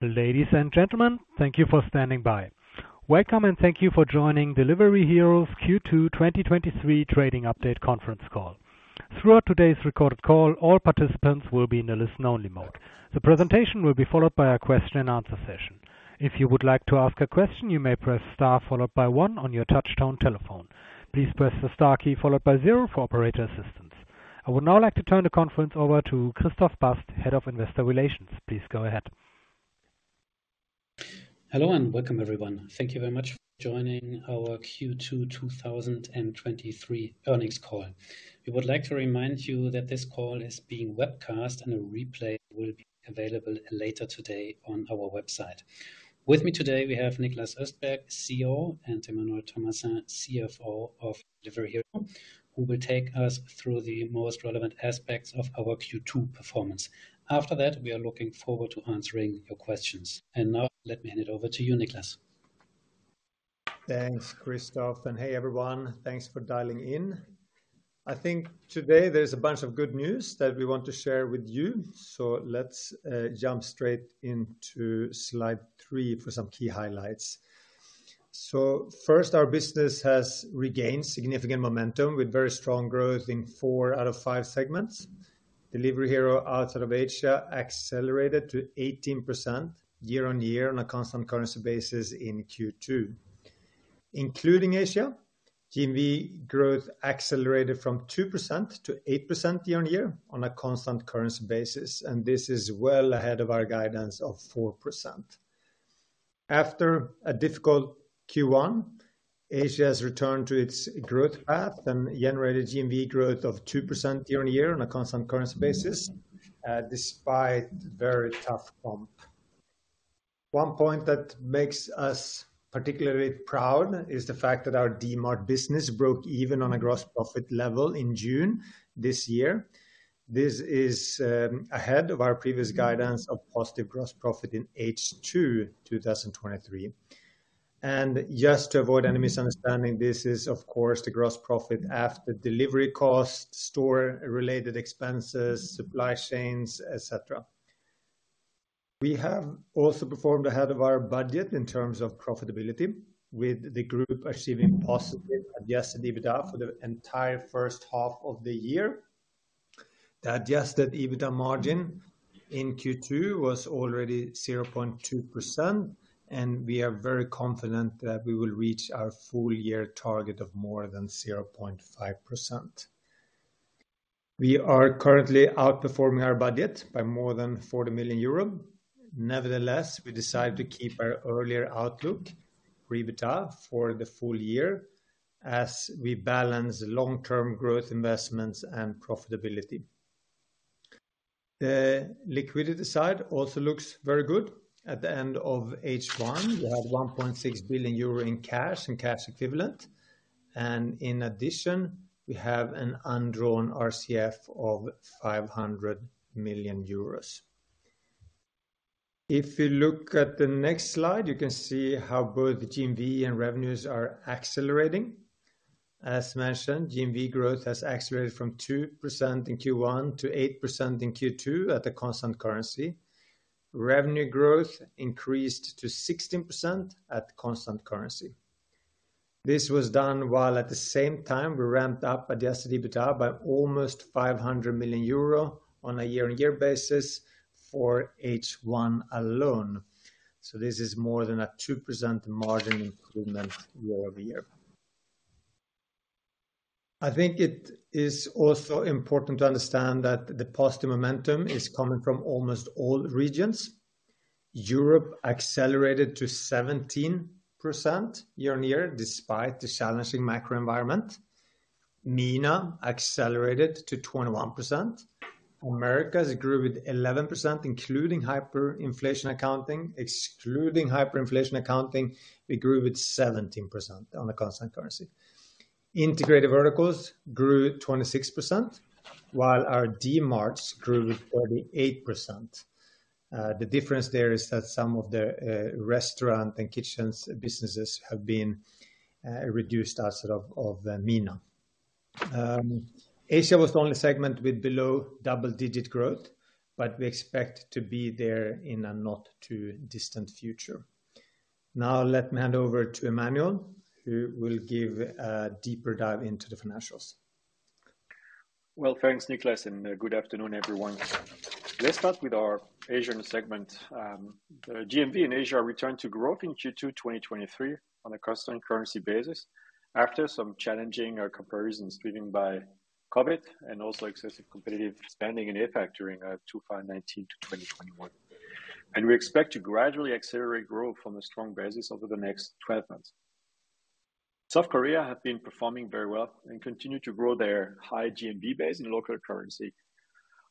Ladies and gentlemen, thank you for standing by. Welcome, and thank you for joining Delivery Hero's Q2 2023 Trading Update Conference Call. Throughout today's recorded call, all participants will be in a listen-only mode. The presentation will be followed by a question and answer session. If you would like to ask a question, you may press Star followed by One on your touchtone telephone. Please press the Star key followed by Zero for operator assistance. I would now like to turn the conference over to Christoph Bast, Head of Investor Relations. Please go ahead. Hello, and welcome, everyone. Thank you very much for joining our Q2 2023 earnings call. We would like to remind you that this call is being webcast, and a replay will be available later today on our website. With me today, we have Niklas Östberg, CEO, and Emmanuel Thomassin, CFO of Delivery Hero, who will take us through the most relevant aspects of our Q2 performance. After that, we are looking forward to answering your questions. Now let me hand it over to you, Niklas. Thanks, Christoph, and hey, everyone. Thanks for dialing in. I think today there's a bunch of good news that we want to share with you, so let's jump straight into slide three for some key highlights. First, our business has regained significant momentum, with very strong growth in four out of five segments. Delivery Hero outside of Asia accelerated to 18% year-on-year on a constant currency basis in Q2. Including Asia, GMV growth accelerated from 2% to 8% year-on-year on a constant currency basis, and this is well ahead of our guidance of 4%. After a difficult Q1, Asia has returned to its growth path and generated GMV growth of 2% year-on-year on a constant currency basis, despite very tough comp. One point that makes us particularly proud is the fact that our Dmart business broke even on a gross profit level in June this year. This is ahead of our previous guidance of positive gross profit in H2 2023. Just to avoid any misunderstanding, this is of course, the gross profit after delivery costs, store-related expenses, supply chains, et cetera. We have also performed ahead of our budget in terms of profitability, with the group achieving positive adjusted EBITDA for the entire first half of the year. The adjusted EBITDA margin in Q2 was already 0.2%, and we are very confident that we will reach our full year target of more than 0.5%. We are currently outperforming our budget by more than 40 million euros. Nevertheless, we decided to keep our earlier outlook, EBITDA, for the full year as we balance long-term growth, investments, and profitability. The liquidity side also looks very good. At the end of H1, we had 1.6 billion euro in cash and cash equivalent, and in addition, we have an undrawn RCF of 500 million euros. If you look at the next slide, you can see how both the GMV and revenues are accelerating. As mentioned, GMV growth has accelerated from 2% in Q1 to 8% in Q2 at a constant currency. Revenue growth increased to 16% at constant currency. This was done while at the same time we ramped up adjusted EBITDA by almost 500 million euro on a year-on-year basis for H1 alone. This is more than a 2% margin improvement year-over-year. I think it is also important to understand that the positive momentum is coming from almost all regions. Europe accelerated to 17% year-on-year, despite the challenging macro environment. MENA accelerated to 21%. Americas grew with 11%, including hyperinflation accounting. Excluding hyperinflation accounting, we grew with 17% on a constant currency. Integrated Verticals grew 26%, while our Dmarts grew 48%. The difference there is that some of the restaurant and kitchens businesses have been reduced outside of MENA. Asia was the only segment with below double-digit growth, but we expect to be there in a not too distant future. Now, let me hand over to Emmanuel, who will give a deeper dive into the financials. Well, thanks, Niklas, and good afternoon, everyone. Let's start with our Asian segment. The GMV in Asia returned to growth in Q2 2023 on a constant currency basis, after some challenging comparisons driven by COVID and also excessive competitive spending and effect during 2019 to 2021. We expect to gradually accelerate growth from a strong basis over the next 12 months. South Korea have been performing very well and continue to grow their high GMV base in local currency.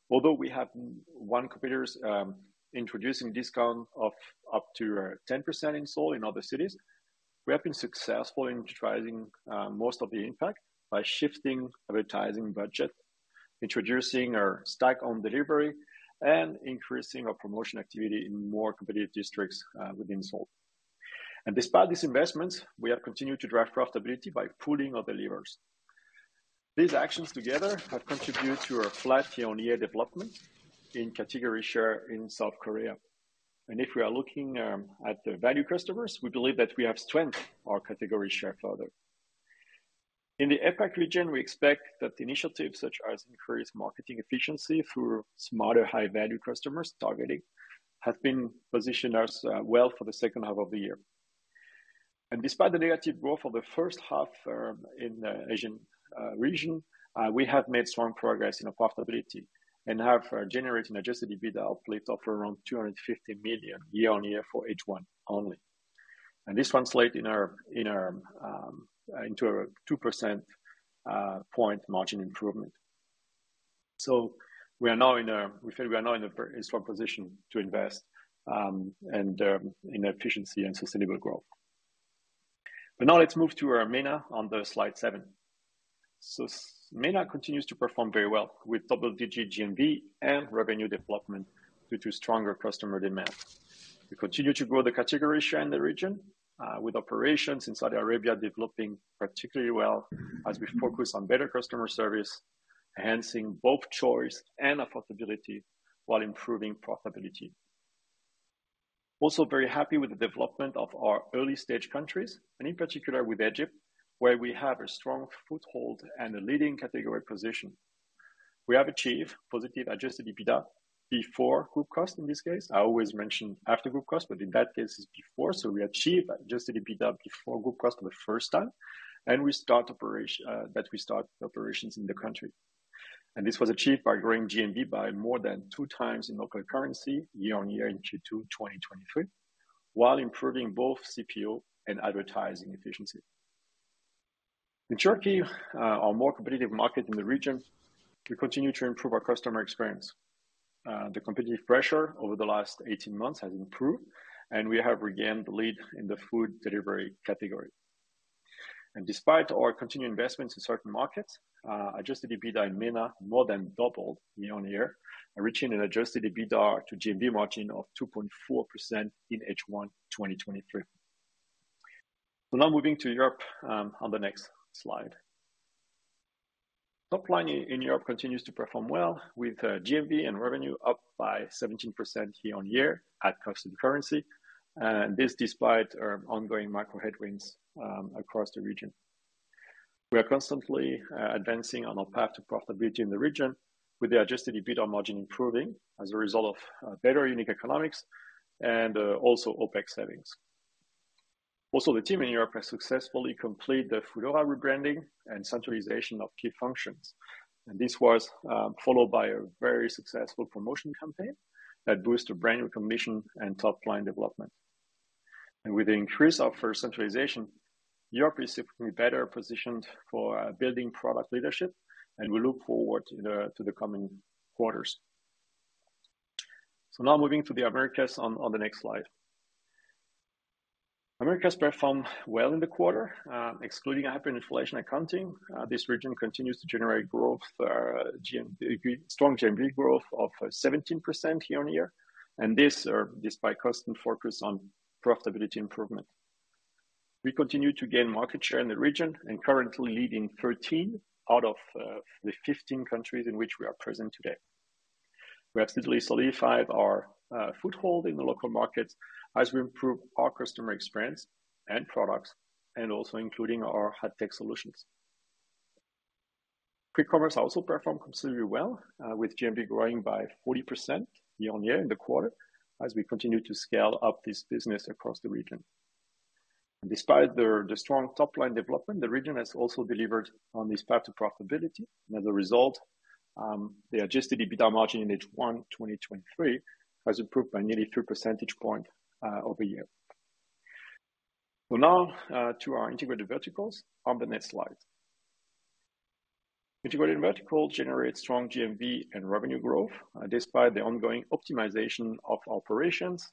Although we have one competitor's introducing discount of up to 10% in Seoul in other cities, we have been successful in trialing most of the impact by shifting advertising budget, introducing our stack on delivery, and increasing our promotion activity in more competitive districts within Seoul. Despite these investments, we have continued to drive profitability by pulling other levers.... These actions together have contributed to a flat year-on-year development in category share in South Korea. If we are looking at the value customers, we believe that we have strengthened our category share further. In the APAC region, we expect that initiatives such as increased marketing efficiency through smarter high-value customers targeting, have been positioned us well for the second half of the year. Despite the negative growth for the first half in the Asian region, we have made strong progress in profitability and have generated adjusted EBITDA uplift of around 250 million year-on-year for H1 only. This translate in our, in our, into a 2% point margin improvement. We are now in a, we feel we are now in a strong position to invest and in efficiency and sustainable growth. Now let's move to our MENA on the slide seven. MENA continues to perform very well, with double-digit GMV and revenue development due to stronger customer demand. We continue to grow the category share in the region, with operations in Saudi Arabia developing particularly well, as we focus on better customer service, enhancing both choice and affordability while improving profitability. Also very happy with the development of our early-stage countries, and in particular with Egypt, where we have a strong foothold and a leading category position. We have achieved positive adjusted EBITDA before group cost, in this case. I always mention after group cost, but in that case, it's before. We achieved adjusted EBITDA before group cost for the first time, and we start operations in the country. This was achieved by growing GMV by more than 2x in local currency, year-on-year in Q2 2023, while improving both CPO and advertising efficiency. In Turkey, our more competitive market in the region, we continue to improve our customer experience. The competitive pressure over the last 18 months has improved, and we have regained the lead in the food delivery category. Despite our continued investments in certain markets, adjusted EBITDA in MENA more than doubled year-on-year, reaching an adjusted EBITDA to GMV margin of 2.4% in H1 2023. Now moving to Europe, on the next slide. Top line in Europe continues to perform well, with GMV and revenue up by 17% year-on-year at constant currency, this despite our ongoing macro headwinds across the region. We are constantly advancing on our path to profitability in the region, with the adjusted EBITDA margin improving as a result of better unit economics and also OpEx savings. The team in Europe has successfully completed the foodora rebranding and centralization of key functions. This was followed by a very successful promotion campaign that boosted brand recognition and top line development. With the increase of our centralization, Europe is simply better positioned for building product leadership, and we look forward to the coming quarters. Now moving to the Americas on the next slide. Americas performed well in the quarter, excluding hyperinflation accounting, this region continues to generate growth, strong GMV growth of 17% year-on-year, and this despite constant focus on profitability improvement. We continue to gain market share in the region and currently leading 13 out of the 15 countries in which we are present today. We have steadily solidified our foothold in the local markets as we improve our customer experience and products, and also including our high-tech solutions. Quick Commerce also performed considerably well with GMV growing by 40% year-on-year in the quarter, as we continue to scale up this business across the region. Despite the strong top-line development, the region has also delivered on this path to profitability. As a result, the adjusted EBITDA margin in H1 2023 has improved by nearly three percentage point over year. Now to our Integrated Verticals on the next slide. Integrated vertical generates strong GMV and revenue growth, despite the ongoing optimization of operations,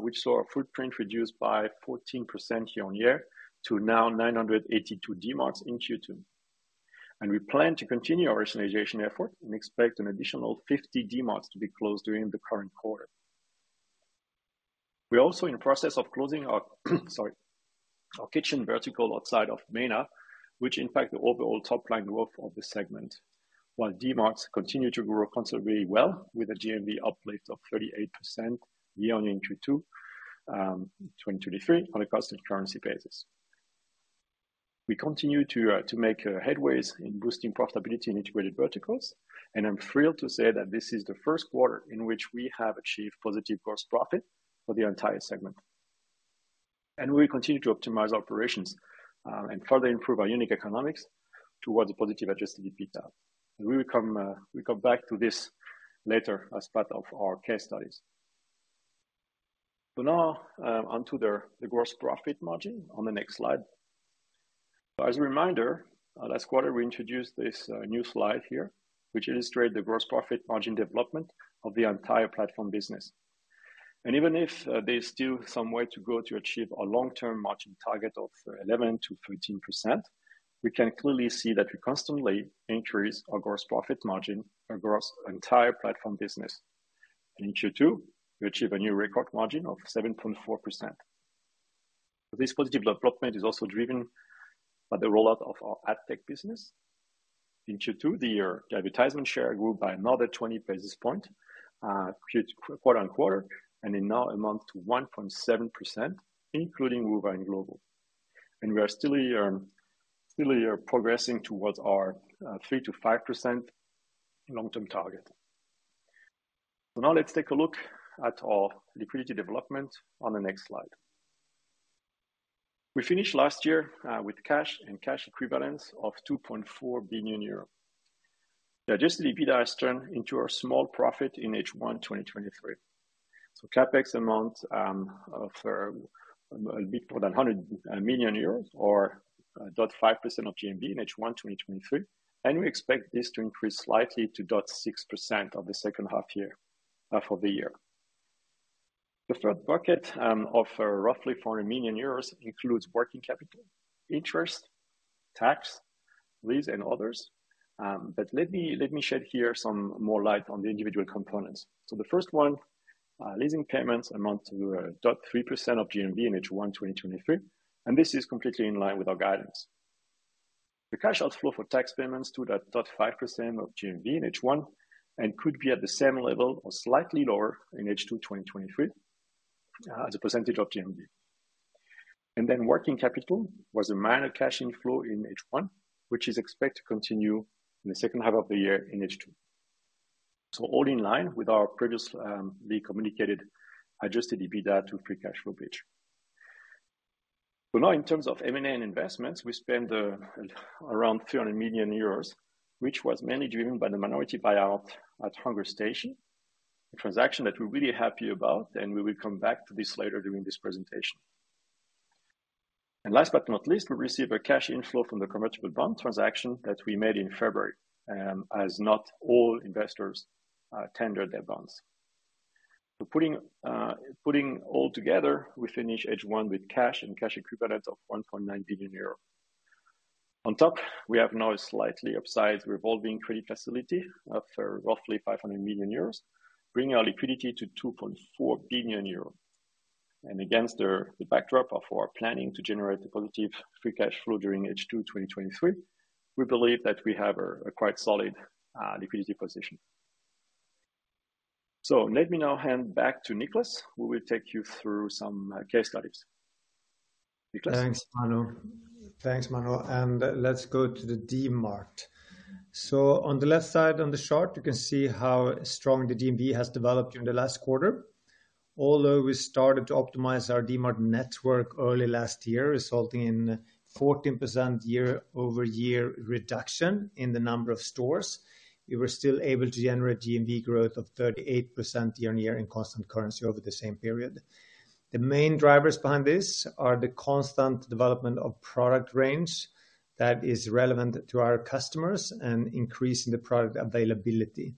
which saw our footprint reduced by 14% year-on-year to now 982 Dmarts in Q2. We plan to continue our rationalization effort and expect an additional 50 Dmarts to be closed during the current quarter. We are also in the process of closing our, sorry, our kitchen vertical outside of MENA, which impact the overall top line growth of this segment, while Dmarts continue to grow considerably well, with a GMV uplift of 38% year-on-year in Q2 2023, on a constant currency basis. We continue to make headways in boosting profitability in Integrated Verticals, and I'm thrilled to say that this is the first quarter in which we have achieved positive gross profit for the entire segment. We will continue to optimize operations, and further improve our unit economics towards a positive adjusted EBITDA. We will come, we come back to this later as part of our case studies. Now, on to the, the gross profit margin on the next slide. As a reminder, last quarter, we introduced this new slide here, which illustrate the gross profit margin development of the entire platform business. Even if there is still some way to go to achieve our long-term margin target of 11%-13%, we can clearly see that we constantly increase our gross profit margin across entire platform business. In Q2, we achieve a new record margin of 7.4%. This positive development is also driven by the rollout of our AdTech business. In Q2, the year, the advertisement share grew by another 20 basis points quarter on quarter, and is now amount to 1.7%, including Uber and Glovo. We are still still progressing towards our 3%-5% long-term target. Now let's take a look at our liquidity development on the next slide. We finished last year with cash and cash equivalents of 2.4 billion euro. The adjusted EBITDA has turned into a small profit in H1 2023. CapEx amounts of a bit more than 100 million euros or 0.5% of GMV in H1 2023, and we expect this to increase slightly to 0.6% on the second half year for the year. The third bucket, of roughly 400 million euros includes working capital, interest, tax, lease, and others. But let me, let me shed here some more light on the individual components. The first one, leasing payments amount to 0.3% of GMV in H1 2023, and this is completely in line with our guidance. The cash outflow for tax payments stood at 0.5% of GMV in H1, and could be at the same level or slightly lower in H2 2023, as a percentage of GMV. Working capital was a minor cash inflow in H1, which is expected to continue in the second half of the year in H2. All in line with our previous, the communicated Adjusted EBITDA to free cash flow bridge. Now in terms of M&A investments, we spend around 300 million euros, which was mainly driven by the minority buyout at Hungerstation, a transaction that we're really happy about, and we will come back to this later during this presentation. Last but not least, we received a cash inflow from the convertible bond transaction that we made in February, as not all investors tendered their bonds. Putting all together, we finish H1 with cash and cash equivalents of 1.9 billion euro. On top, we have now a slightly upside revolving credit facility of roughly 500 million euros, bringing our liquidity to 2.4 billion euros. Against the backdrop of our planning to generate the positive free cash flow during H2 2023, we believe that we have a quite solid liquidity position. Let me now hand back to Niklas, who will take you through some case studies. Niklas? Thanks, Emmanuel, let's go to the Dmart. On the left side, on the chart, you can see how strong the GMV has developed during the last quarter. Although we started to optimize our Dmart network early last year, resulting in 14% year-over-year reduction in the number of stores, we were still able to generate GMV growth of 38% year-on-year in constant currency over the same period. The main drivers behind this are the constant development of product range that is relevant to our customers and increasing the product availability.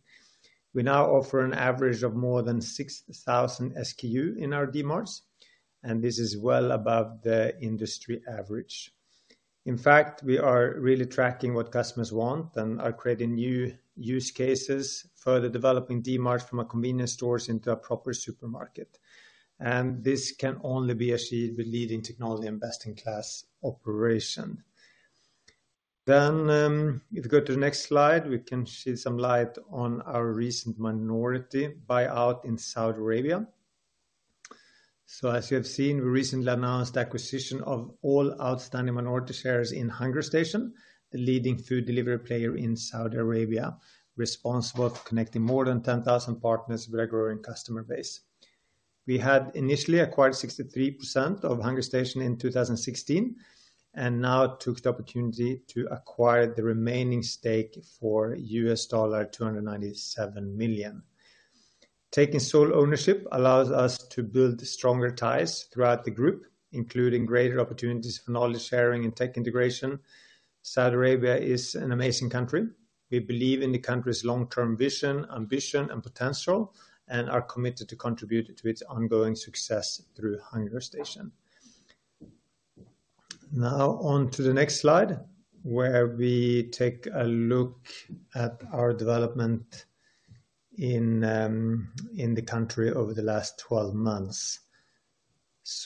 We now offer an average of more than 6,000 SKU in our Dmarts, this is well above the industry average. In fact, we are really tracking what customers want and are creating new use cases, further developing Dmart from a convenience stores into a proper supermarket. This can only be achieved with leading technology and best-in-class operation. If you go to the next slide, we can shed some light on our recent minority buyout in Saudi Arabia. As you have seen, we recently announced acquisition of all outstanding minority shares in Hungerstation, the leading food delivery player in Saudi Arabia, responsible for connecting more than 10,000 partners with a growing customer base. We had initially acquired 63% of Hungerstation in 2016, and now took the opportunity to acquire the remaining stake for $297 million. Taking sole ownership allows us to build stronger ties throughout the group, including greater opportunities for knowledge sharing and tech integration. Saudi Arabia is an amazing country. We believe in the country's long-term vision, ambition and potential, and are committed to contribute to its ongoing success through Hungerstation. On to the next slide, where we take a look at our development in the country over the last 12 months.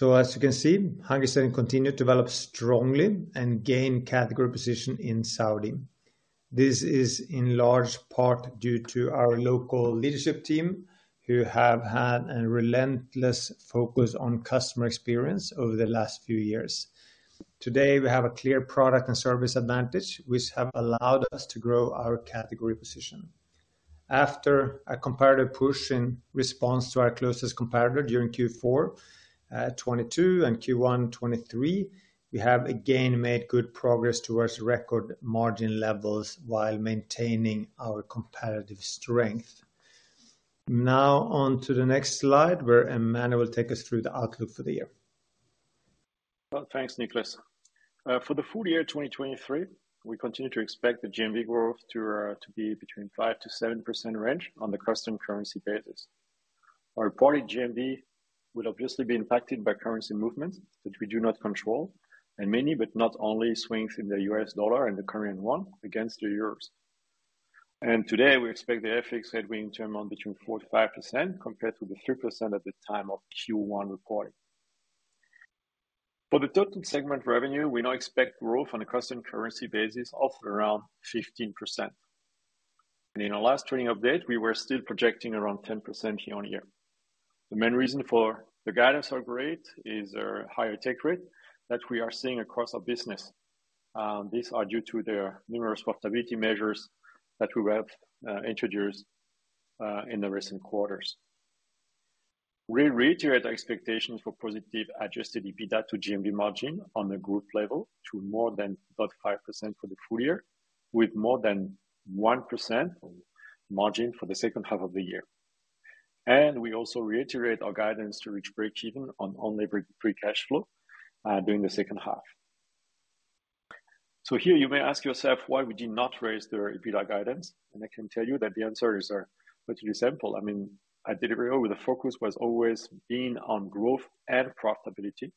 As you can see, Hungerstation continued to develop strongly and gain category position in Saudi. This is in large part due to our local leadership team, who have had a relentless focus on customer experience over the last few years. Today, we have a clear product and service advantage, which have allowed us to grow our category position. After a comparative push in response to our closest competitor during Q4 2022 and Q1 2023, we have again made good progress towards record margin levels while maintaining our competitive strength. On to the next slide, where Emmanuel will take us through the outlook for the year. Well, thanks, Niklas. For the full year 2023, we continue to expect the GMV growth to be between 5%-7% range on the constant currency basis. Our reported GMV will obviously be impacted by currency movements, which we do not control, and mainly, but not only swings in the U.S. dollar and the Korean won against the euros. Today, we expect the FX headwind to amount between 4%-5% compared to the 3% at the time of Q1 reporting. For the total segment revenue, we now expect growth on a constant currency basis of around 15%. In our last trading update, we were still projecting around 10% year-on-year. The main reason for the guidance upgrade is our higher take rate that we are seeing across our business. These are due to the numerous profitability measures that we have introduced in the recent quarters. We reiterate our expectations for positive Adjusted EBITDA to GMV margin on a group level to more than about 5% for the full year, with more than 1% margin for the second half of the year. We also reiterate our guidance to reach breakeven on labor free cash flow during the second half. Here you may ask yourself, why we did not raise the EBITDA guidance? I can tell you that the answers are virtually simple. I mean, at Delivery Hero, the focus was always being on growth and profitability.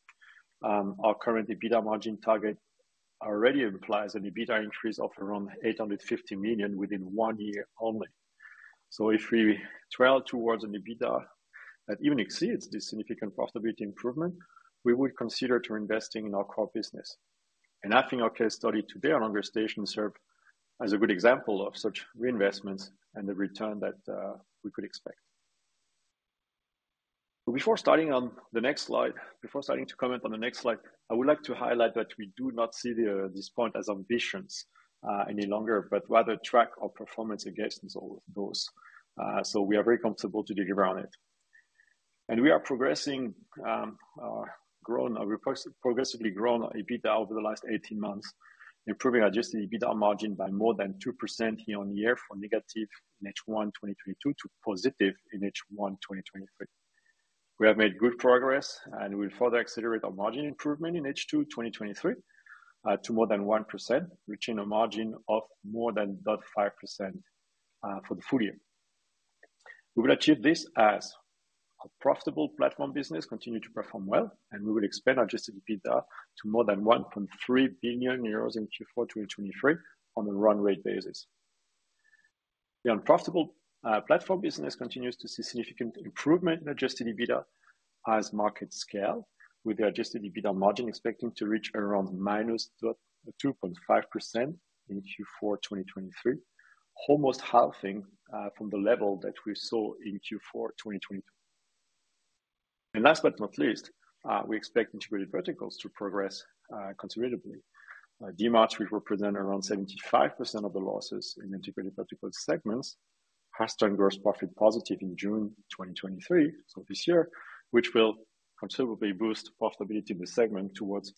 Our current EBITDA margin target already implies an EBITDA increase of around 850 million within one year only. If we trail towards an EBITDA that even exceeds this significant profitability improvement, we would consider to investing in our core business. I think our case study today on Hungerstation served as a good example of such reinvestments and the return that we could expect. Before starting on the next slide, before starting to comment on the next slide, I would like to highlight that we do not see this point as ambitions any longer, but rather track our performance against all those. We are very comfortable to deliver on it. We are progressing, grown, we're progressively grown our EBITDA over the last 18 months, improving adjusted EBITDA margin by more than 2% year-on-year for negative in H1 2022 to positive in H1 2023. We have made good progress, and we will further accelerate our margin improvement in H2, 2023, to more than 1%, reaching a margin of more than about 5% for the full year. We will achieve this as a profitable platform business, continue to perform well, and we will expand our adjusted EBITDA to more than 1.3 billion euros in Q4, 2023 on a run rate basis. The unprofitable platform business continues to see significant improvement in adjusted EBITDA as market scale, with the adjusted EBITDA margin expecting to reach around -2.5% in Q4, 2023, almost halving from the level that we saw in Q4, 2022. Last but not least, we expect Integrated Verticals to progress considerably. In Dmart, we represent around 75% of the losses in Integrated Verticals segments, passed gross profit positive in June 2023, so this year, which will considerably boost profitability in the segment towards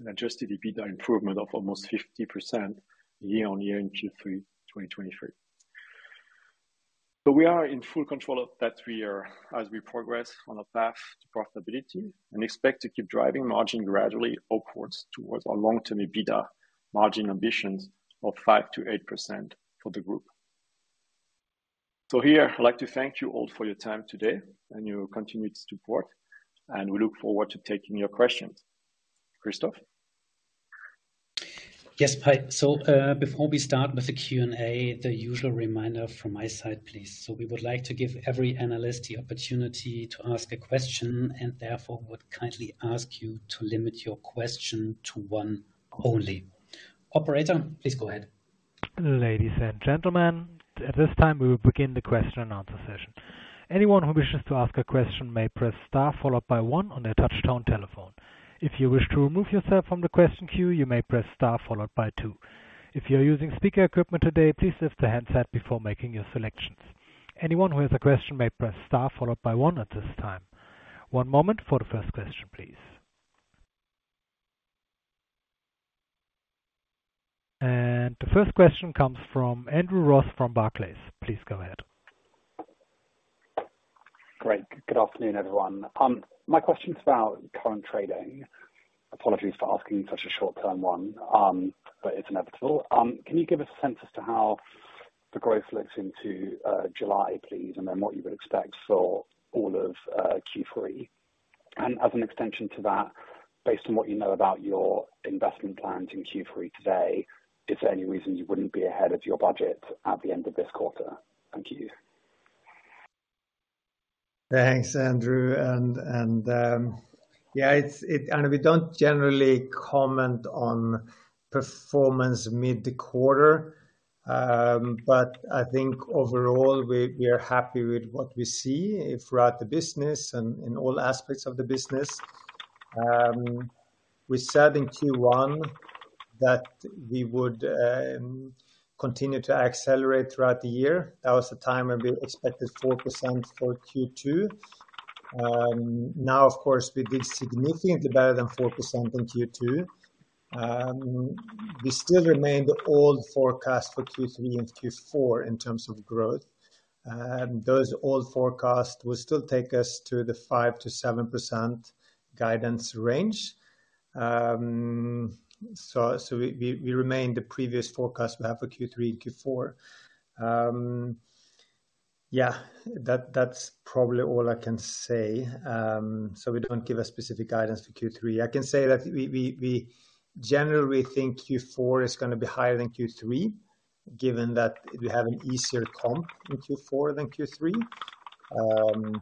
an adjusted EBITDA improvement of almost 50% year-on-year in Q3 2023. We are in full control of that three year as we progress on a path to profitability and expect to keep driving margin gradually upwards towards our long-term EBITDA margin ambitions of 5%-8% for the group. Here I'd like to thank you all for your time today and your continued support, and we look forward to taking your questions. Christoph? Yes. Before we start with the Q&A, the usual reminder from my side, please. We would like to give every analyst the opportunity to ask a question, and therefore would kindly ask you to limit your question to one only. Operator, please go ahead. Ladies and gentlemen, at this time, we will begin the question and answer session. Anyone who wishes to ask a question may press Star followed by One on their touchtone telephone. If you wish to remove yourself from the question queue, you may press Star followed by Two. If you're using speaker equipment today, please lift the handset before making your selections. Anyone who has a question may press Star followed by One at this time. One moment for the first question, please. The first question comes from Andrew Ross from Barclays. Please go ahead. Great. Good afternoon, everyone. My question is about current trading. Apologies for asking such a short-term one, it's inevitable. Can you give us a sense as to how the growth looks into July, please, and then what you would expect for all of Q3? As an extension to that, based on what you know about your investment plans in Q3 to date, is there any reason you wouldn't be ahead of your budget at the end of this quarter? Thank you. Thanks, Andrew. And, yeah, it's, it- and we don't generally comment on performance mid the quarter. I think overall, we, we are happy with what we see throughout the business and in all aspects of the business. We said in Q1 that we would continue to accelerate throughout the year. That was the time when we expected 4% for Q2. Now, of course, we did significantly better than 4% in Q2. We still remained all forecast for Q3 and Q4 in terms of growth, and those all forecasts will still take us to the 5%-7% guidance range. So, we, we, we remain the previous forecast we have for Q3 and Q4. That, that's probably all I can say. We don't give a specific guidance for Q3. I can say that we, we, we generally think Q4 is gonna be higher than Q3, given that we have an easier comp in Q4 than Q3. But,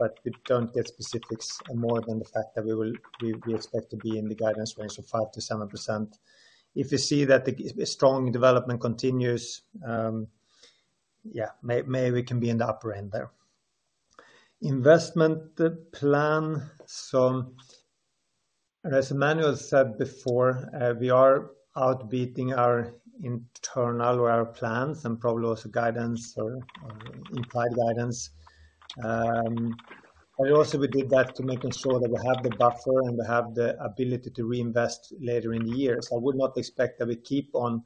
but we don't get specifics more than the fact that we expect to be in the guidance range of 5%-7%. If you see that the strong development continues, maybe we can be in the upper end there. Investment plan. As Emmanuel said before, we are out beating our internal or our plans and probably also guidance or, or implied guidance. But also, we did that to making sure that we have the buffer and we have the ability to reinvest later in the year. I would not expect that we keep on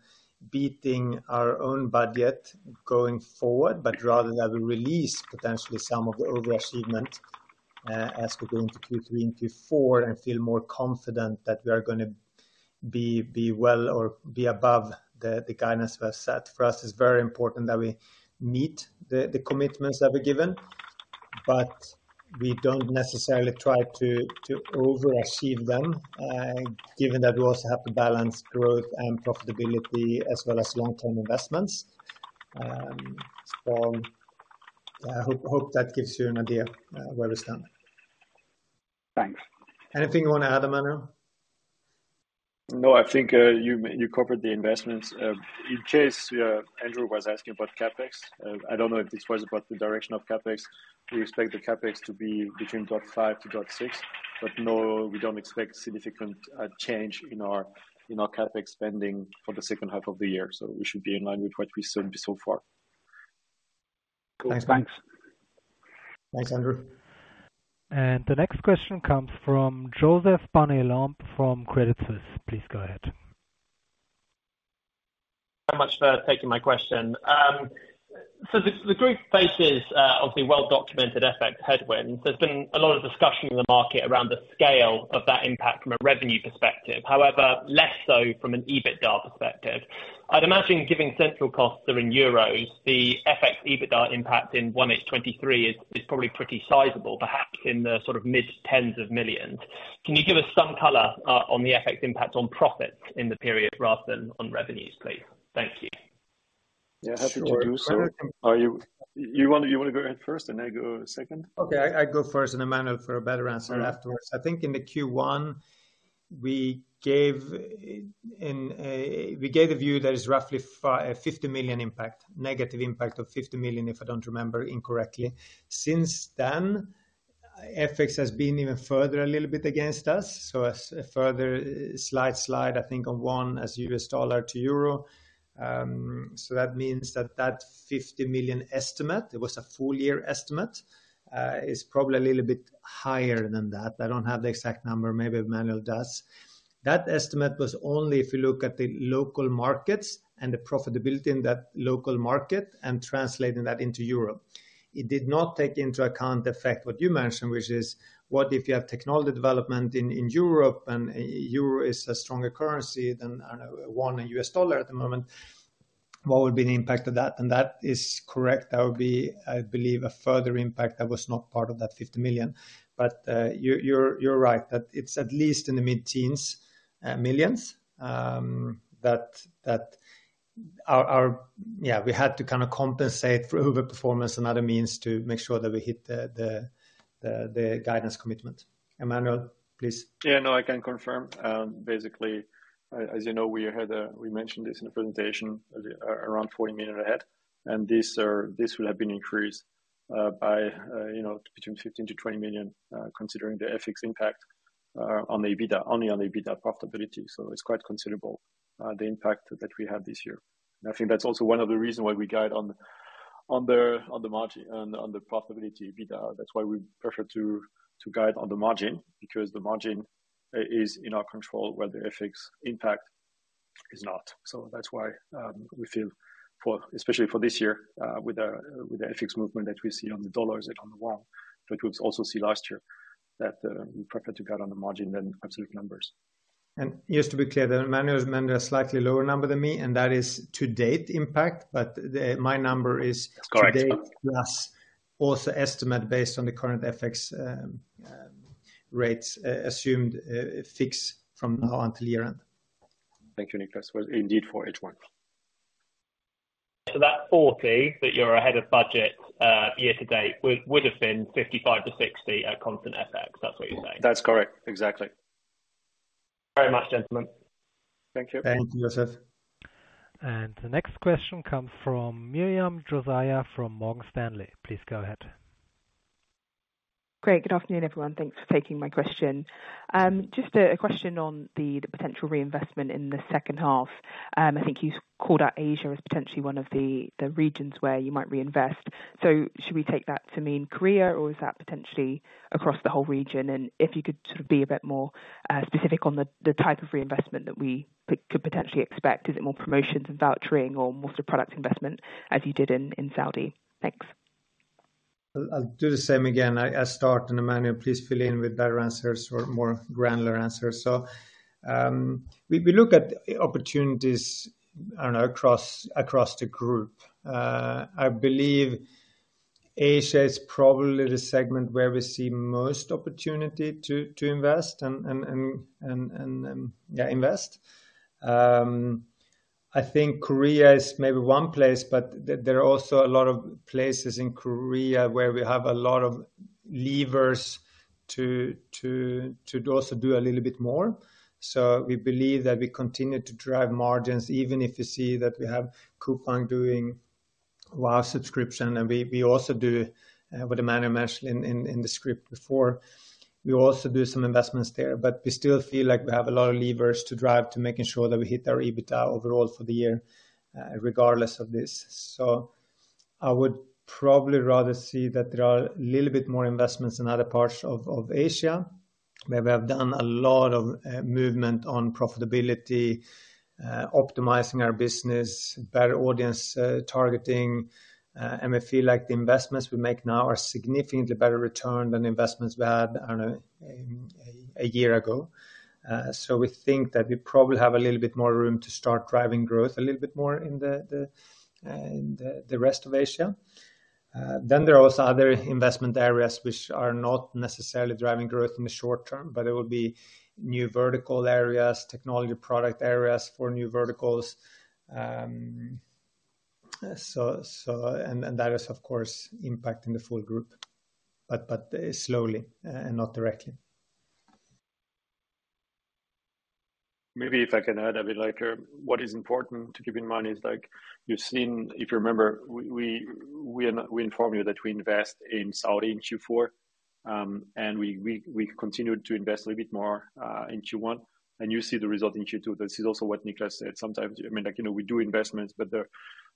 beating our own budget going forward, but rather that we release potentially some of the overachievement as we go into Q3 and Q4, and feel more confident that we are gonna be, be well or be above the guidance we have set. For us, it's very important that we meet the commitments that we've given, but we don't necessarily try to, to overachieve them, given that we also have to balance growth and profitability as well as long-term investments. I hope, hope that gives you an idea where we're standing. Thanks. Anything you wanna add, Emmanuel? No, I think, you covered the investments. In case, Andrew was asking about CapEx, I don't know if this was about the direction of CapEx. We expect the CapEx to be between 0.5-0.6, but no, we don't expect significant change in our, in our CapEx spending for the second half of the year, so we should be in line with what we said so far. Thanks. Thanks. Thanks, Andrew. The next question comes from Joseph Barnet-Lamb from Credit Suisse. Please go ahead. Thank you very much for taking my question. The group faces obviously well-documented FX headwinds. There's been a lot of discussion in the market around the scale of that impact from a revenue perspective, however, less so from an EBITDA perspective. I'd imagine, given central costs are in euros, the FX EBITDA impact in 1H 2023 is probably pretty sizable, perhaps in the sort of EUR mid-tens of millions. Can you give us some color on the FX impact on profits in the period rather than on revenues, please? Thank you. Yeah, happy to do so. Sure- You, you wanna, you wanna go ahead first, and I go second? Okay, I, I go first and Emmanuel for a better answer afterwards. All right. I think in the Q1, we gave a view that is roughly 50 million impact, negative impact of 50 million, if I don't remember incorrectly. Since then, FX has been even further a little bit against us, so a further slight slide, I think, of one as US dollar to euro. That means that, that 50 million estimate, it was a full year estimate, is probably a little bit higher than that. I don't have the exact number. Maybe Emmanuel does. That estimate was only if you look at the local markets and the profitability in that local market and translating that into Europe. It did not take into account the fact what you mentioned, which is, what if you have technology development in Europe, and euro is a stronger currency than, I don't know $1 at the moment? What would be the impact of that? That is correct. That would be, I believe, a further impact that was not part of that 50 million. You're right, that it's at least in the mid-teens millions, that, that our, our... Yeah, we had to kind of compensate through overperformance and other means to make sure that we hit the, the, the, the guidance commitment. Emmanuel, please. Yeah, no, I can confirm. Basically, as you know, we had, we mentioned this in the presentation, around 40 million ahead, and this will have been increased by, you know, between 15 million-20 million, considering the FX impact on the EBITDA, only on the EBITDA profitability. It's quite considerable, the impact that we had this year. I think that's also one of the reasons why we guide on the margin, on the profitability, EBITDA. That's why we prefer to guide on the margin, because the margin is in our control, where the FX impact is not. That's why, we feel for, especially for this year, with the FX movement that we see on the US dollar and on the Korean won, which we also see last year, that, we prefer to guide on the margin than absolute numbers. Just to be clear, that Emmanuel has mentioned a slightly lower number than me, and that is to-date impact, but the, my number is... Correct. -to date, plus also estimate based on the current FX, rates, assumed, fixed from now until year-end. Thank you, Niklas. Well, indeed, for H1. That 40 that you're ahead of budget, year to date, would, would have been 55-60 at constant FX. That's what you're saying? That's correct. Exactly. Very much, gentlemen. Thank you. Thank you, Joseph. The next question comes from Miriam Josiah from Morgan Stanley. Please go ahead. Great. Good afternoon, everyone. Thanks for taking my question. Just a, a question on the potential reinvestment in the second half. I think you called out Asia as potentially one of the regions where you might reinvest. Should we take that to mean Korea, or is that potentially across the whole region? If you could sort of be a bit more specific on the type of reinvestment that we could potentially expect. Is it more promotions and vouchering or more so product investment, as you did in Saudi? Thanks. I'll, I'll do the same again. I, I start. Emmanuel, please fill in with better answers or more granular answers. We, we look at opportunities, I don't know, across, across the group. I believe Asia is probably the segment where we see most opportunity to, to invest and, and, and, and, and, yeah, invest. I think Korea is maybe one place, but there, there are also a lot of places in Korea where we have a lot of levers to also do a little bit more. We believe that we continue to drive margins, even if you see that we have Coupang doing well subscription, and we, we also do, what Emmanuel mentioned in the script before. We also do some investments there, but we still feel like we have a lot of levers to drive to making sure that we hit our EBITDA overall for the year, regardless of this. I would probably rather see that there are a little bit more investments in other parts of Asia, where we have done a lot of movement on profitability, optimizing our business, better audience targeting, and we feel like the investments we make now are significantly better return than investments we had, I don't know, a year ago. We think that we probably have a little bit more room to start driving growth a little bit more in the, the, in the, the rest of Asia. There are also other investment areas which are not necessarily driving growth in the short term, but it would be new vertical areas, technology product areas for new verticals. That is, of course, impacting the full group, but, but, slowly, and not directly. Maybe if I can add a bit, like, what is important to keep in mind is like you've seen if you remember, we, we, we inform you that we invest in Saudi in Q4, and we, we, we continued to invest a little bit more in Q1, and you see the result in Q2. This is also what Niklas said. Sometimes, I mean, like, you know, we do investments, but the,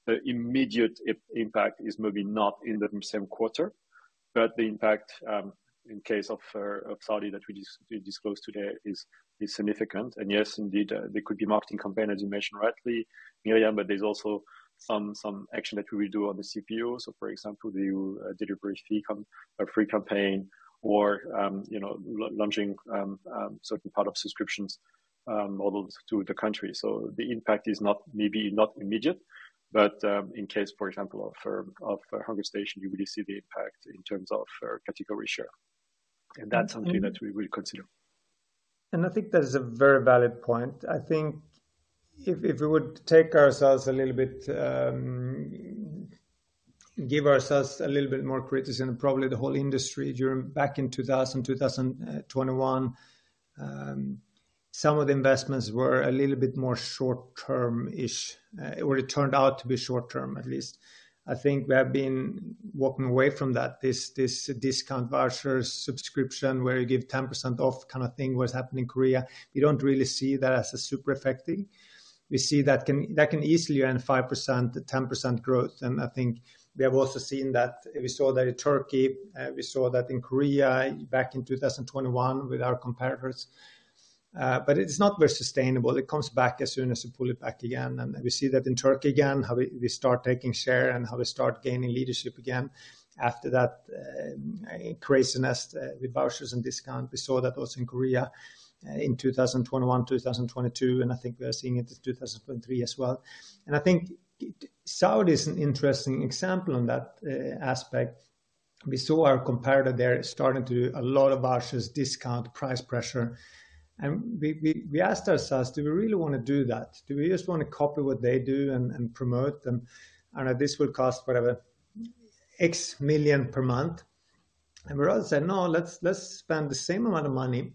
the immediate impact is maybe not in the same quarter, but the impact in case of Saudi that we disclosed today is, is significant. Yes, indeed, there could be marketing campaign, as you mentioned rightly, Miriam, but there's also some, some action that we do on the CPO. For example, the delivery fee free campaign or, you know, launching certain part of subscriptions models to the country. The impact is not, maybe not immediate, but, in case, for example, of Hungerstation, you really see the impact in terms of category share. That's something that we will consider. I think that is a very valid point. I think if, if we would take ourselves a little bit, give ourselves a little bit more criticism, probably the whole industry during back in 2021, some of the investments were a little bit more short-termish. It turned out to be short term, at least. I think we have been walking away from that, this, this discount voucher subscription, where you give 10% off kind of thing, what's happening in Korea. We don't really see that as a super effective. We see that can, that can easily earn 5%-10% growth, I think we have also seen that... We saw that in Turkey, we saw that in Korea back in 2021 with our competitors, it's not very sustainable. It comes back as soon as you pull it back again. We see that in Turkey again, how we, we start taking share and how we start gaining leadership again after that craziness with vouchers and discount. We saw that also in Korea in 2021, 2022, and I think we are seeing it in 2023 as well. I think Saudi is an interesting example on that aspect. We saw our competitor there starting to do a lot of vouchers, discount, price pressure, and we, we, we asked ourselves: Do we really want to do that? Do we just want to copy what they do and, and promote them? I know this will cost whatever, X million per month. We all said, "No, let's, let's spend the same amount of money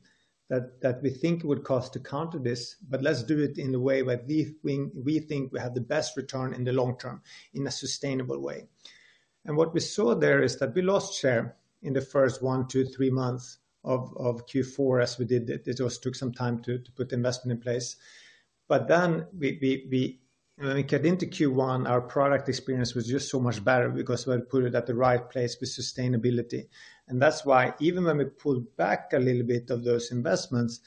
that, that we think it would cost to counter this, but let's do it in a way that we think, we think we have the best return in the long term, in a sustainable way." What we saw there is that we lost share in the first one, two three months of Q4 as we did it. It just took some time to put the investment in place. Then we when we got into Q1, our product experience was just so much better because we put it at the right place with sustainability. That's why even when we pulled back a little bit of those investments,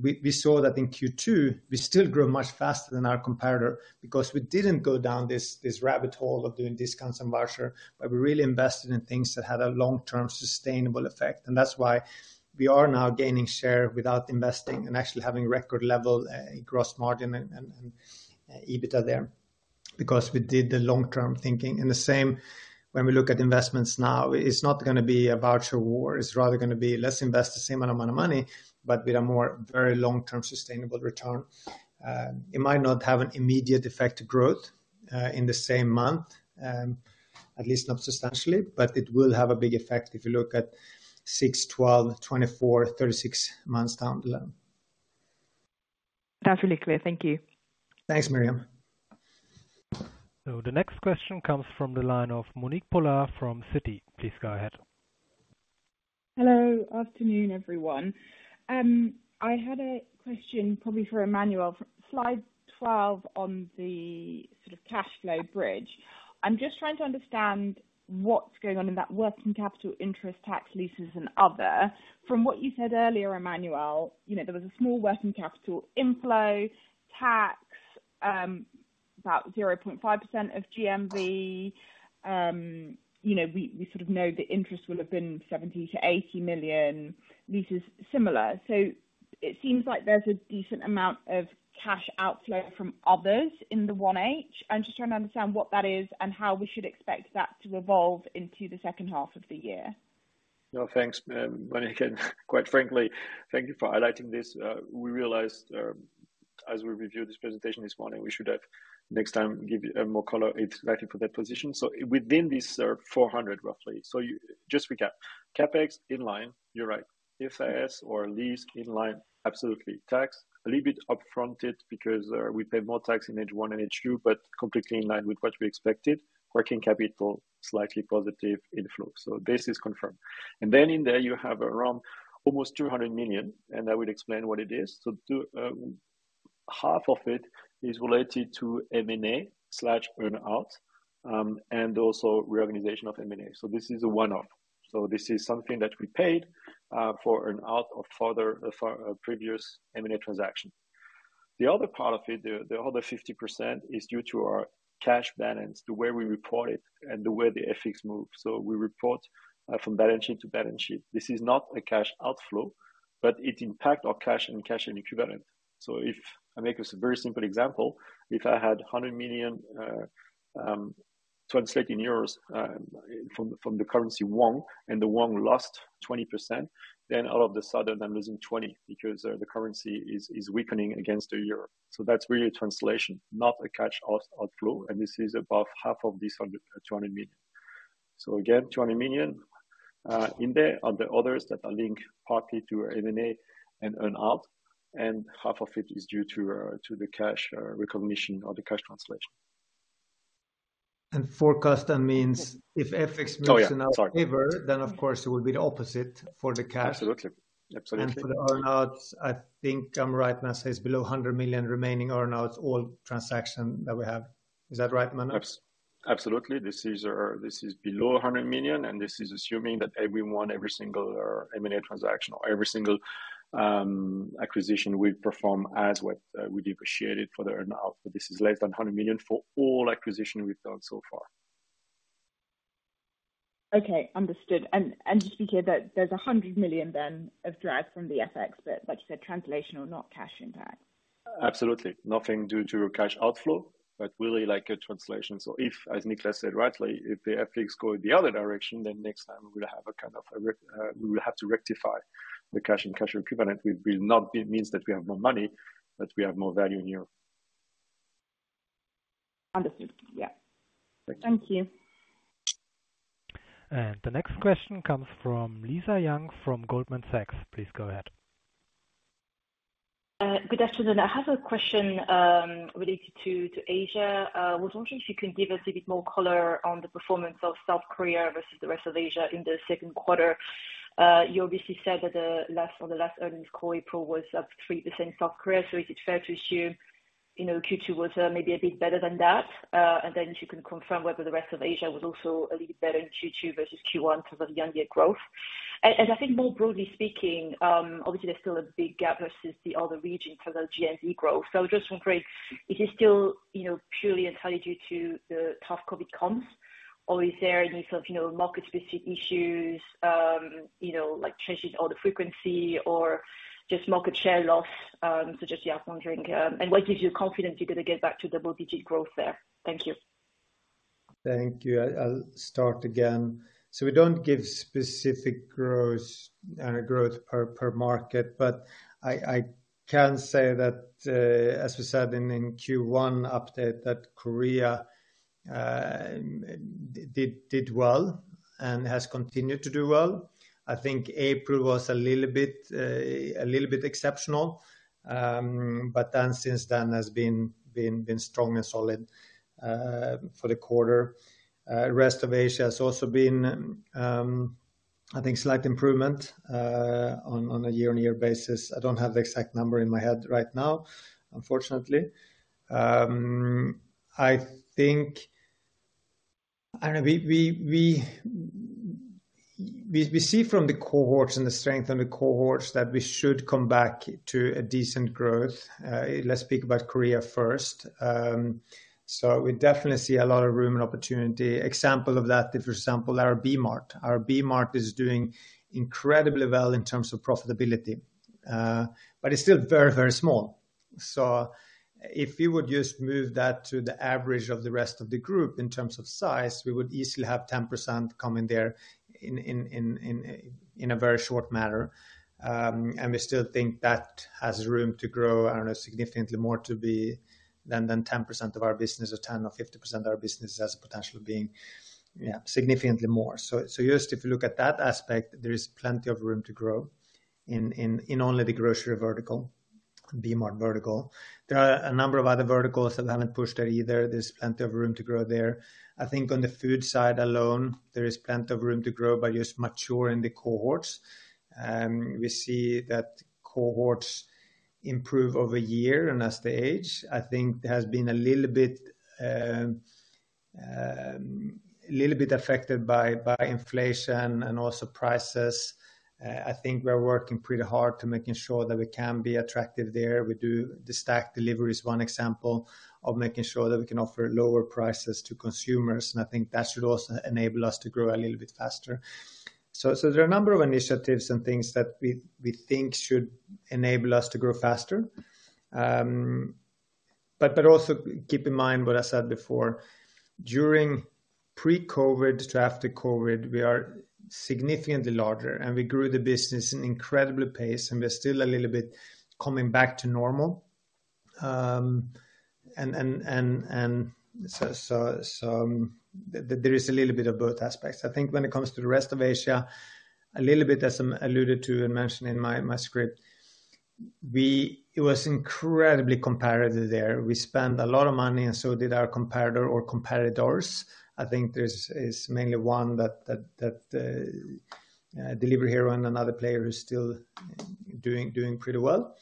we saw that in Q2, we still grew much faster than our competitor because we didn't go down this, this rabbit hole of doing discounts and voucher, but we really invested in things that had a long-term sustainable effect. That's why we are now gaining share without investing and actually having record level gross margin and EBITDA there because we did the long-term thinking. The same, when we look at investments now, it's not gonna be a voucher war. It's rather gonna be, let's invest the same amount of money, but with a more very long-term sustainable return. It might not have an immediate effect to growth in the same month, at least not substantially, but it will have a big effect if you look at six, 12, 24, 36 months down the line. That's really clear. Thank you. Thanks, Miriam. The next question comes from the line of Monique Pollard from Citi. Please go ahead. Hello. Afternoon, everyone. I had a question probably for Emmanuel. Slide 12 on the sort of cash flow bridge. I'm just trying to understand what's going on in that working capital, interest, tax, leases and other. From what you said earlier, Emmanuel, you know, there was a small working capital inflow, about 0.5% of GMV. You know, we, we sort of know the interest will have been 70 million-80 million, this is similar. It seems like there's a decent amount of cash outflow from others in the 1H. I'm just trying to understand what that is and how we should expect that to evolve into the second half of the year. No, thanks, Monique, and quite frankly, thank you for highlighting this. We realized, as we reviewed this presentation this morning, we should have next time give you more color exactly for that position. Within this 400, roughly. You just recap. CapEx in line, you're right. IFRS or lease in line, absolutely. Tax, a little bit upfronted because we pay more tax in H1 and H2, but completely in line with what we expected. Working capital, slightly positive inflow. This is confirmed. Then in there, you have around almost 200 million, and I will explain what it is. Two, half of it is related to M&A/earn-out, and also reorganization of M&A. This is a one-off. This is something that we paid for earn-out of further, for previous M&A transaction. The other part of it, the other 50% is due to our cash balance, the way we report it and the way the FX moves. We report from balance sheet to balance sheet. This is not a cash outflow, but it impact our cash and cash and equivalent. If I make this a very simple example, if I had 100 million translating euros from the currency won, and the won lost 20%, then all of a sudden I'm losing 20 million because the currency is weakening against the euro. That's really a translation, not a cash outflow, and this is above 60 million. Again, 20 million in there, are the others that are linked partly to M&A and earn-out, and half of it is due to the cash recognition or the cash translation. Forecast, that means if FX moves. Oh, yeah. Sorry. In our favor, then, of course, it will be the opposite for the cash. Absolutely. Absolutely. For the earn-out, I think I'm right, and I say it's below 100 million remaining earn-out, all transaction that we have. Is that right, Emmanuel? Absolutely. This is below 100 million. This is assuming that everyone, every single M&A transaction or every single acquisition will perform as what we depreciated for the earn-out. This is less than 100 million for all acquisition we've done so far. Okay, understood. And just to be clear, that there's 100 million then of drag from the FX, but like you said, translational, not cash impact. Absolutely. Nothing due to your cash outflow, but really like a translation. If, as Niklas said rightly, if the FX go the other direction, then next time we'll have a kind of a we will have to rectify the cash and cash equivalent. It will not be means that we have more money, but we have more value in euro. Understood. Yeah. Thank you. The next question comes from Lisa Yang, from Goldman Sachs. Please go ahead. Good afternoon. I have a question related to Asia. I was wondering if you can give us a bit more color on the performance of South Korea versus the rest of Asia in the second quarter. You obviously said that the last on the last earnings call, April was up 3% South Korea. Is it fair to assume, you know, Q2 was maybe a bit better than that? If you can confirm whether the rest of Asia was also a little better in Q2 versus Q1 for the year-on-year growth. I think more broadly speaking, obviously, there's still a big gap versus the other regions for the GMV growth. I just wonder, is it still, you know, purely entirely due to the tough COVID comps, or is there any sort of, you know, market-specific issues, you know, like changing all the frequency or just market share loss? Just, yeah, I was wondering what gives you confidence you're gonna get back to double-digit growth there? Thank you. Thank you. I, I'll start again. We don't give specific growth, growth per market, but I, I can say that, as we said in, in Q1 update, that Korea, did, did well and has continued to do well. I think April was a little bit, a little bit exceptional, but then since then, has been, been, been strong and solid, for the quarter. Rest of Asia has also been, I think, slight improvement, on, on a year-on-year basis. I don't have the exact number in my head right now, unfortunately. I think... I don't know, we, we, we, we, we see from the cohorts and the strength in the cohorts that we should come back to a decent growth. Let's speak about Korea first. We definitely see a lot of room and opportunity. Example of that, for example, our Dmart. Our Dmart is doing incredibly well in terms of profitability, it's still very, very small. If we would just move that to the average of the rest of the group in terms of size, we would easily have 10% coming there in a very short matter. We still think that has room to grow, I don't know, significantly more to be than 10% of our business, or 10% or 50% of our business has potential being, yeah, significantly more. Just if you look at that aspect, there is plenty of room to grow in only the grocery vertical, Dmart vertical. There are a number of other verticals that haven't pushed it either. There's plenty of room to grow there. I think on the food side alone, there is plenty of room to grow by just maturing the cohorts. We see that cohorts improve over a year and as they age. I think there has been a little bit, a little bit affected by, by inflation and also prices. I think we're working pretty hard to making sure that we can be attractive there. We do, the stack delivery is one example of making sure that we can offer lower prices to consumers, and I think that should also enable us to grow a little bit faster. There are a number of initiatives and things that we, we think should enable us to grow faster. Also keep in mind what I said before, during pre-COVID to after COVID, we are significantly larger, and we grew the business in incredible pace, and we're still a little bit coming back to normal. There is a little bit of both aspects. I think when it comes to the rest of Asia, a little bit as I alluded to and mentioned in my, my script, it was incredibly competitive there. We spent a lot of money, and so did our competitor or competitors. I think there's, is mainly one that, that, that, Delivery Hero and another player is still doing, doing pretty well.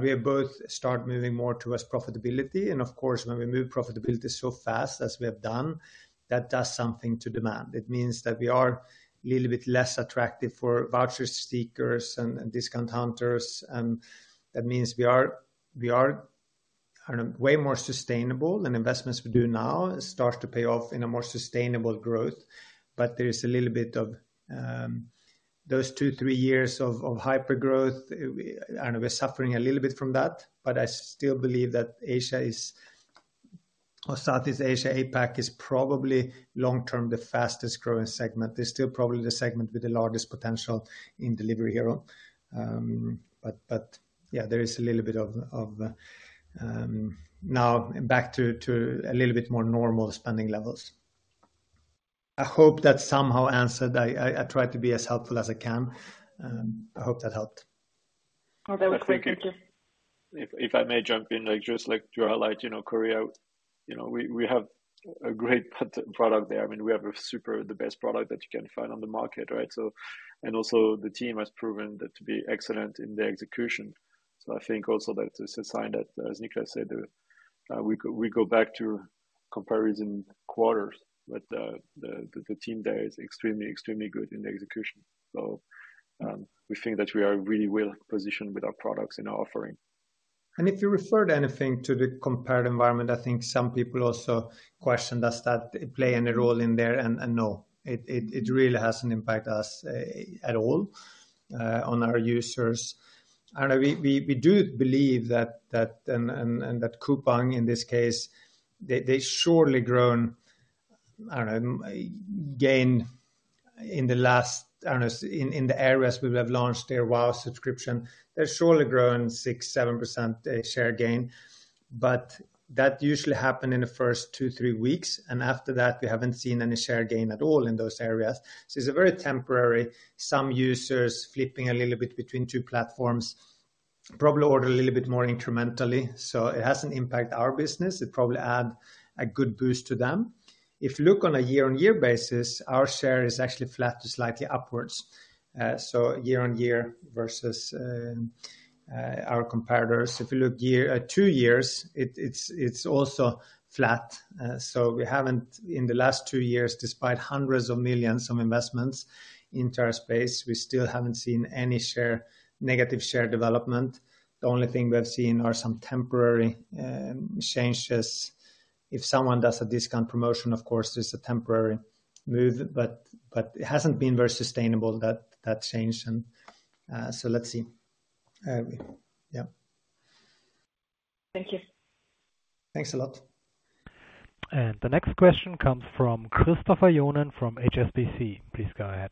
We have both start moving more towards profitability, and of course, when we move profitability so fast as we have done, that does something to demand. It means that we are a little bit less attractive for voucher seekers and, and discount hunters, and that means we are, we are, I don't know, way more sustainable, and investments we do now start to pay off in a more sustainable growth. There is a little bit of those two, three years of hypergrowth, and we're suffering a little bit from that, but I still believe that Asia is, or Southeast Asia, APAC, is probably long-term, the fastest growing segment. It's still probably the segment with the largest potential in Delivery Hero. But yeah, there is a little bit of now back to, to a little bit more normal spending levels. I hope that somehow answered. I tried to be as helpful as I can, I hope that helped. Oh, that was great. Thank you. If, if I may jump in, like, just like to highlight, you know, Korea, you know, we, we have a great product there. I mean, we have a super, the best product that you can find on the market, right? And also the team has proven that to be excellent in their execution. I think also that is a sign that, as Niklas said, we, we go back to comparison quarters, but the, the, the team there is extremely, extremely good in the execution. We think that we are really well positioned with our products and our offering. If you referred anything to the compared environment, I think some people also questioned, does that play any role in there? No, it really hasn't impacted us, at all, on our users. I know we do believe that Coupang, in this case, they surely grown, I don't know, gain in the last-- honest, in, in the areas we have launched their Wow subscription, they've surely grown 6%, 7% share gain, but that usually happened in the first two, three weeks, and after that, we haven't seen any share gain at all in those areas. It's a very temporary, some users flipping a little bit between two platforms, probably order a little bit more incrementally, it hasn't impacted our business. It probably add a good boost to them. If you look on a year-on-year basis, our share is actually flat to slightly upwards. Year-on-year versus our competitors. If you look year, two years, it, it's, it's also flat. We haven't, in the last two years, despite hundreds of millions of investments into our space, we still haven't seen any share, negative share development. The only thing we have seen are some temporary changes. If someone does a discount promotion, of course, it's a temporary move, but, but it hasn't been very sustainable, that, that change and let's see. Yeah. Thank you. Thanks a lot. The next question comes from Christopher Johnen from HSBC. Please go ahead.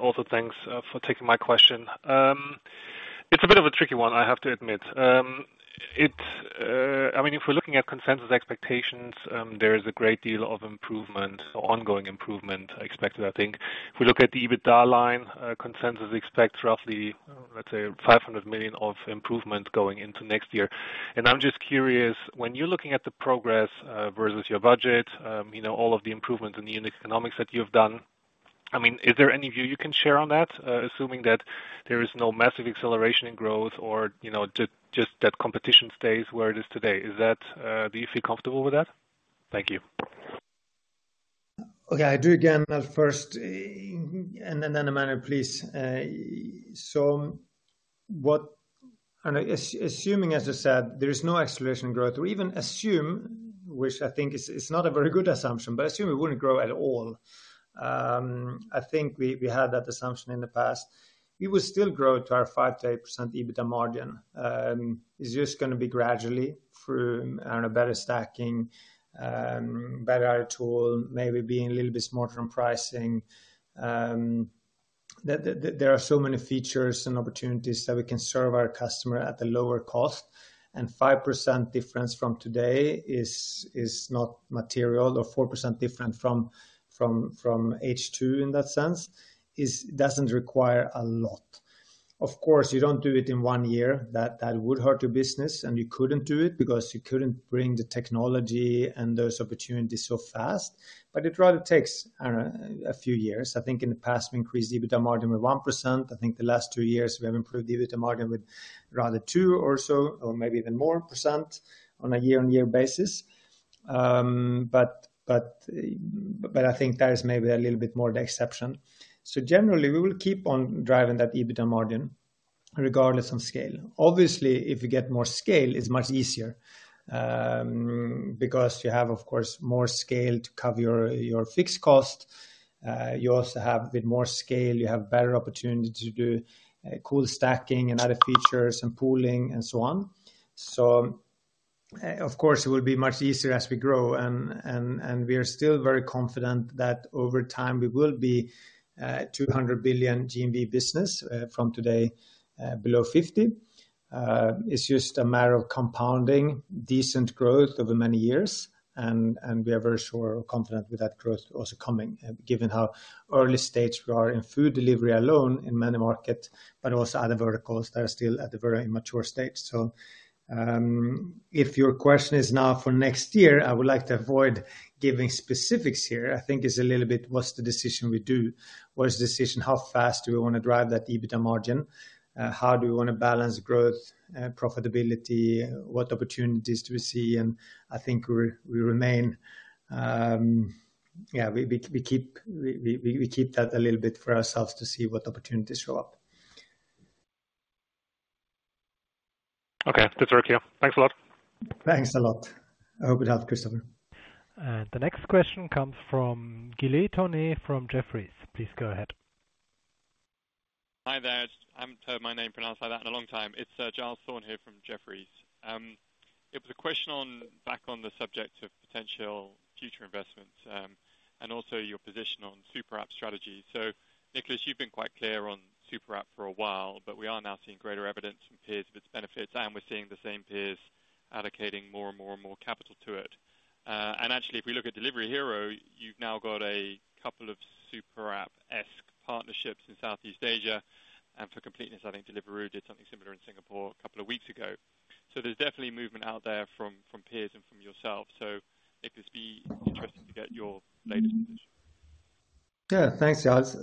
Also thanks for taking my question. It's a bit of a tricky one, I have to admit. I mean, if we're looking at consensus expectations, there is a great deal of improvement, ongoing improvement expected I think. If we look at the EBITDA line, consensus expects roughly, let's say, 500 million of improvement going into next year. I'm just curious, when you're looking at the progress versus your budget, you know, all of the improvements in the unit economics that you've done, I mean, is there any view you can share on that? Assuming that there is no massive acceleration in growth or, you know, just, just that competition stays where it is today. Is that... Do you feel comfortable with that? Thank you. Okay, I do again, first, then Emmanuel, please. Assuming, as you said, there is no acceleration growth or even assume, which I think is not a very good assumption, but assume it wouldn't grow at all. I think we had that assumption in the past. We would still grow to our 5%-8% EBITDA margin. It's just gonna be gradually through, I don't know, better stacking, better tool, maybe being a little bit smarter on pricing. There are so many features and opportunities that we can serve our customer at a lower cost, 5% difference from today is not material, or 4% different from H2 in that sense, is doesn't require a lot. Of course, you don't do it in one year. That, that would hurt your business, and you couldn't do it because you couldn't bring the technology and those opportunities so fast. It rather takes, I don't know, a few years. I think in the past, we increased EBITDA margin with 1%. I think the last two years, we have improved EBITDA margin with rather two or so, or maybe even percent on a year-on-year basis. But, but I think that is maybe a little bit more the exception. Generally, we will keep on driving that EBITDA margin regardless of scale. Obviously, if you get more scale, it's much easier because you have, of course, more scale to cover your, your fixed cost. You also have a bit more scale, you have better opportunity to do cool stacking and other features and pooling and so on. Of course, it will be much easier as we grow, and we are still very confident that over time we will be a 200 billion GMV business from today, below 50 billion. It's just a matter of compounding decent growth over many years, and we are very sure or confident with that growth also coming, given how early stage we are in food delivery alone in many markets, but also other verticals that are still at a very immature stage. If your question is now for next year, I would like to avoid giving specifics here. I think it's a little bit, what's the decision we do? What is the decision, how fast do we want to drive that EBITDA margin? How do we want to balance growth, profitability? What opportunities do we see? I think we remain. Yeah, we keep that a little bit for ourselves to see what opportunities show up. Okay. That's very clear. Thanks a lot. Thanks a lot. I hope it helped, Christopher. The next question comes from Giles Thorne from Jefferies. Please go ahead. Hi there. I haven't heard my name pronounced like that in a long time. It's Giles Thorne here from Jefferies. It was a question on, back on the subject of potential future investments, and also your position on super app strategy. Niklas, you've been quite clear on super app for a while, but we are now seeing greater evidence from peers of its benefits, and we're seeing the same peers allocating more and more and more capital to it. Actually, if we look at Delivery Hero, you've now got a couple of super app-esque partnerships in Southeast Asia, and for completeness, I think Deliveroo did something similar in Singapore a couple of weeks ago. There's definitely movement out there from, from peers and from yourself. It would just be interesting to get your latest position. Yeah. Thanks, Giles.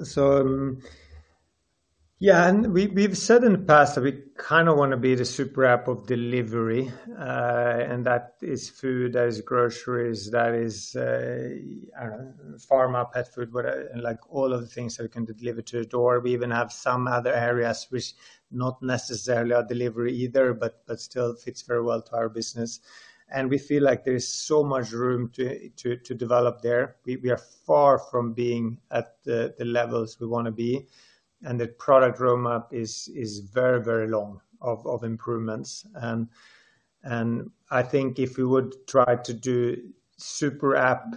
Yeah, and we've said in the past that we kinda wanna be the super app of delivery, and that is food, that is groceries, that is, I don't know, pharma, pet food, where, like, all of the things that we can deliver to your door. We even have some other areas which not necessarily are delivery either, but still fits very well to our business. We feel like there is so much room to develop there. We are far from being at the levels we wanna be, and the product roadmap is very, very long of improvements. I think if we would try to do super app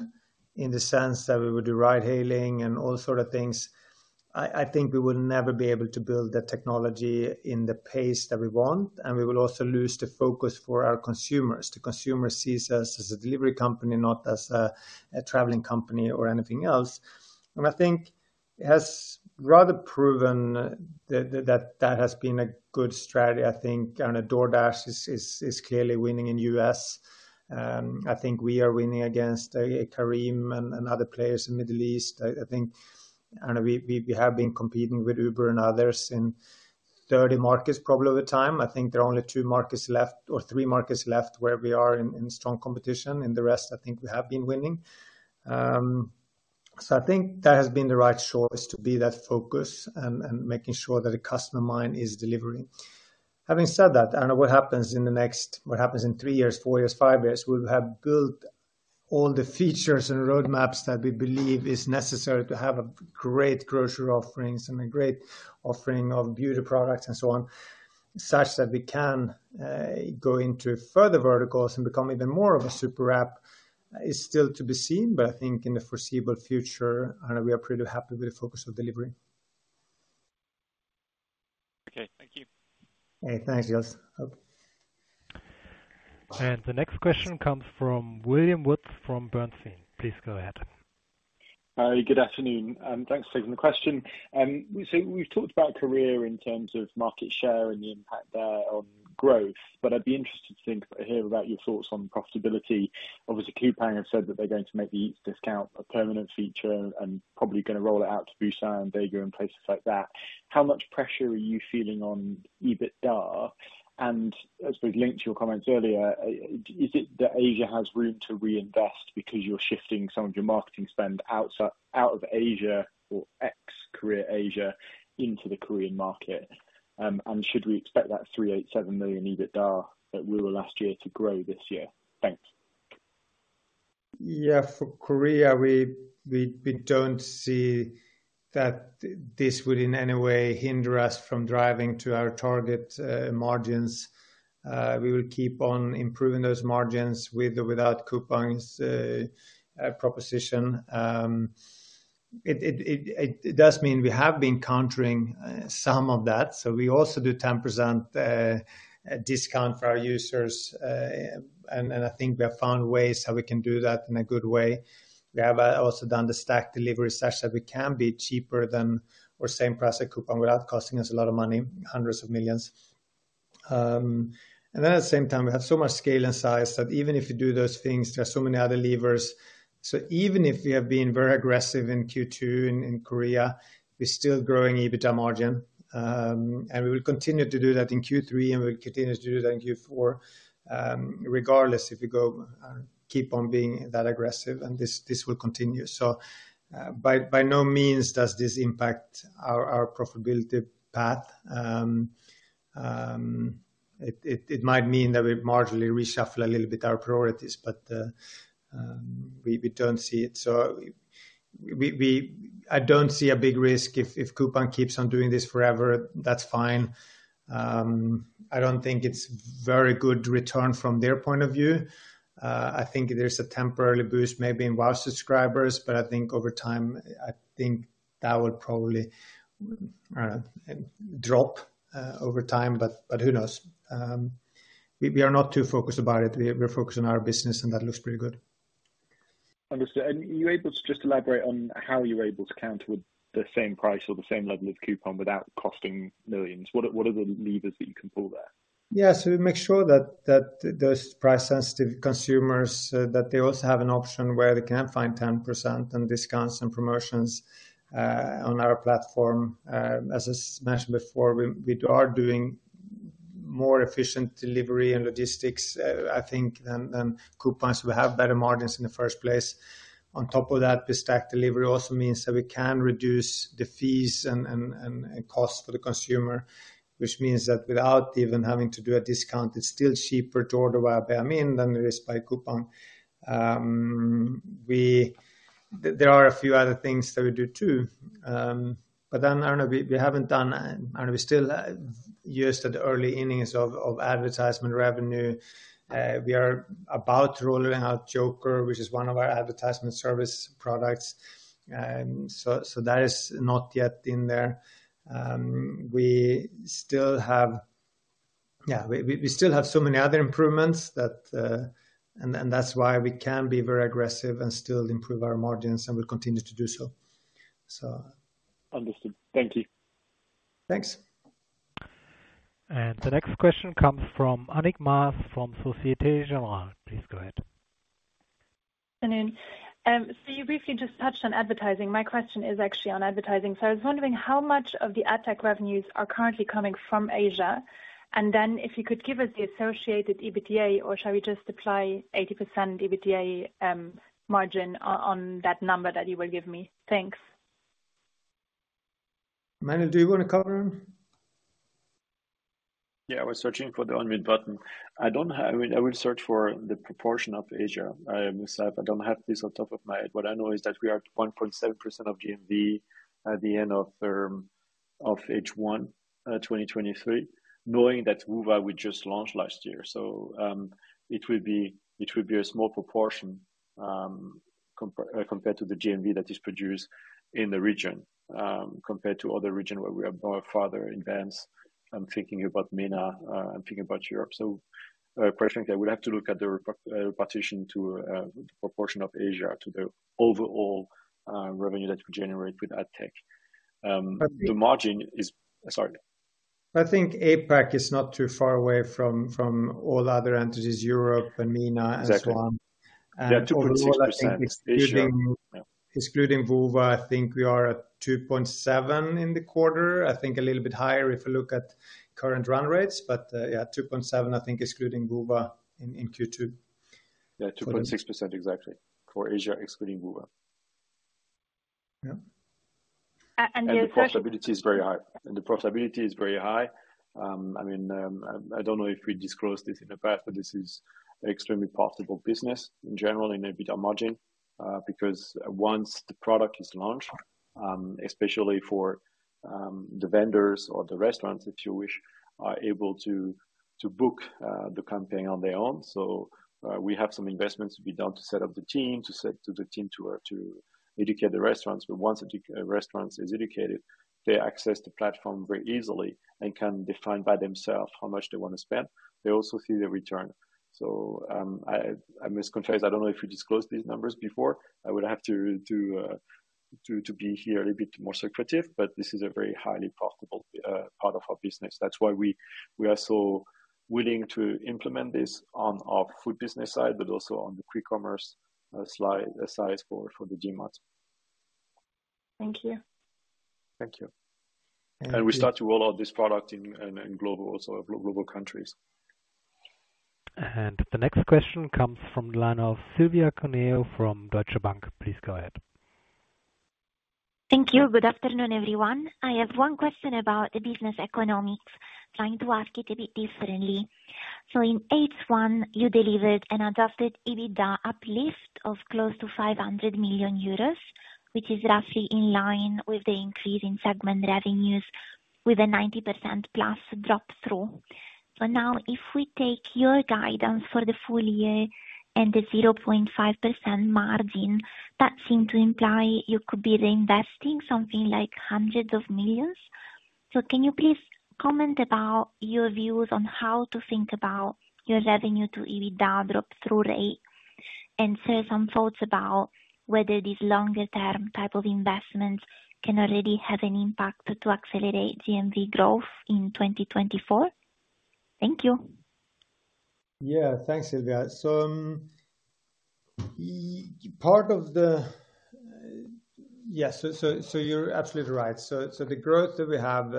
in the sense that we would do ride-hailing and all sort of things, I think we would never be able to build the technology in the pace that we want, and we will also lose the focus for our consumers. The consumer sees us as a delivery company, not as a traveling company or anything else. I think it has rather proven that has been a good strategy, I think, and DoorDash is clearly winning in U.S. I think we are winning against Careem and other players in Middle East. I think, and we have been competing with Uber and others in 30 markets probably over the time. I think there are only two markets left or three markets left where we are in, in strong competition, and the rest, I think we have been winning. I think that has been the right choice to be that focus and, and making sure that the customer mind is delivering. Having said that, what happens in three years, four years, five years, we'll have built all the features and roadmaps that we believe is necessary to have a great grocery offerings and a great offering of beauty products and so on, such that we can go into further verticals and become even more of a super app, is still to be seen, but I think in the foreseeable future, we are pretty happy with the focus of delivery. Okay. Thank you. Hey, thanks, Giles. The next question comes from William Woods, from Bernstein. Please go ahead. Good afternoon, and thanks for taking the question. We've, we've talked about Careem in terms of market share and the impact there on growth, but I'd be interested to think, hear about your thoughts on profitability. Obviously, Coupang have said that they're going to make the Eats discount a permanent feature and probably gonna roll it out to Busan and Vega and places like that. How much pressure are you feeling on EBITDA? As we've linked to your comments earlier, is it that Asia has room to reinvest because you're shifting some of your marketing spend out of Asia or ex-Korea, Asia into the Korean market? Should we expect that 387 million EBITDA that we were last year to grow this year? Thanks. Yeah, for Korea, we, we, we don't see that this would in any way hinder us from driving to our target margins. We will keep on improving those margins with or without coupons proposition. It does mean we have been countering some of that, so we also do 10% discount for our users. I think we have found ways how we can do that in a good way. We have also done the stack delivery such that we can be cheaper than or same price as Coupang without costing us a lot of money, hundreds of millions. At the same time, we have so much scale and size that even if you do those things, there are so many other levers. Even if we have been very aggressive in Q2 in Korea, we're still growing EBITDA margin. We will continue to do that in Q3, and we'll continue to do that in Q4, regardless if we go keep on being that aggressive, and this, this will continue. By no means does this impact our profitability path. It might mean that we marginally reshuffle a little bit our priorities, but we don't see it. We, I don't see a big risk if Coupang keeps on doing this forever, that's fine. I don't think it's very good return from their point of view. I think there's a temporary boost maybe in Wow subscribers, but I think over time, I think that would probably drop over time, but who knows? We, we are not too focused about it. We are, we're focused on our business, and that looks pretty good. Understood. Are you able to just elaborate on how you're able to counter the same price or the same level of coupon without costing millions? What are, what are the levers that you can pull there? We make sure that, that those price-sensitive consumers, that they also have an option where they can find 10% and discounts and promotions on our platform. As I mentioned before, we, we are doing more efficient delivery and logistics, I think, than, than Coupang. We have better margins in the first place. On top of that, the stack delivery also means that we can reduce the fees and costs for the consumer, which means that without even having to do a discount, it's still cheaper to order via Baemin than it is by Coupang. There are a few other things that we do, too, I don't know, we, we haven't done, and we still used at the early innings of, of advertisement revenue. We are about rolling out Joker, which is one of our advertisement service products. That is not yet in there. We still have so many other improvements that, and that's why we can be very aggressive and still improve our margins, and we'll continue to do so. Understood. Thank you. Thanks. The next question comes from Annick Maas, from Societe Generale. Please go ahead. Good afternoon. You briefly just touched on advertising. My question is actually on advertising. I was wondering how much of the AdTech revenues are currently coming from Asia? If you could give us the associated EBITDA, or shall we just apply 80% EBITDA margin on that number that you will give me? Thanks. Emmanuel, do you want to cover them? Yeah, I was searching for the unmute button. I don't have. I will, I will search for the proportion of Asia. I, myself, I don't have this off the top of my head. What I know is that we are at 1.7% of GMV at the end of H1 2023, knowing that Woowa we just launched last year. It will be, it will be a small proportion compared to the GMV that is produced in the region compared to other region where we are more farther advanced. I'm thinking about MENA, I'm thinking about Europe. Personally, I would have to look at the partition to the proportion of Asia, to the overall revenue that we generate with AdTech. The margin is... Sorry. I think APAC is not too far away from, from all the other entities, Europe and MENA and so on. Exactly. Yeah, 2.6%. Excluding, excluding Woowa, I think we are at 2.7 in the quarter. I think a little bit higher if you look at current run rates, but yeah, 2.7, I think, excluding Woowa in Q2. Yeah, 2.6%, exactly, for Asia, excluding Woowa. Yeah. the other- The profitability is very high. And the profitability is very high. I mean, I, I don't know if we disclosed this in the past, but this is extremely profitable business in general, in EBITDA margin because once the product is launched, especially for the vendors or the restaurants, if you wish, are able to book the campaign on their own. We have some investments to be done to set up the team, to set to the team to educate the restaurants. But once a restaurant is educated, they access the platform very easily and can define by themselves how much they want to spend. They also see the return. I must confess, I don't know if we disclosed these numbers before. I would have to be here a little bit more secretive, but this is a very highly profitable part of our business. That's why we, we are so willing to implement this on our food business side, but also on the Quick Commerce side for, for the Dmarts. Thank you. Thank you. We start to roll out this product in global also, global countries. The next question comes from the line of Silvia Cuneo from Deutsche Bank. Please go ahead. Thank you. Good afternoon, everyone. I have one question about the business economics, trying to ask it a bit differently. In H1, you delivered an adjusted EBITDA uplift of close to 500 million euros, which is roughly in line with the increase in segment revenues with a 90%+ drop through. Now, if we take your guidance for the full year and the 0.5% margin, that seem to imply you could be reinvesting something like hundreds of millions. Can you please comment about your views on how to think about your revenue to EBITDA drop through rate? Share some thoughts about whether these longer term type of investments can already have an impact to accelerate GMV growth in 2024? Thank you. Yeah, thanks, Silvia. Yes, you're absolutely right. The growth that we have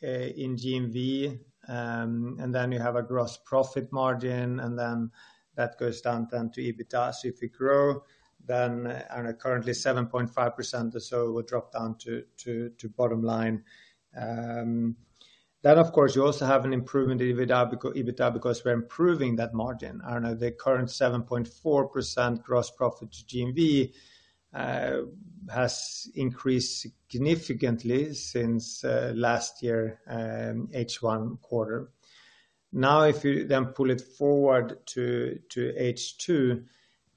in GMV, and then you have a gross profit margin, and then that goes down then to EBITDA. If you grow, then, I don't know, currently 7.5% or so will drop down to bottom line. Of course, you also have an improvement in EBITDA, EBITDA, because we're improving that margin. I don't know, the current 7.4% gross profit to GMV has increased significantly since last year, H1 quarter. If you then pull it forward to H2,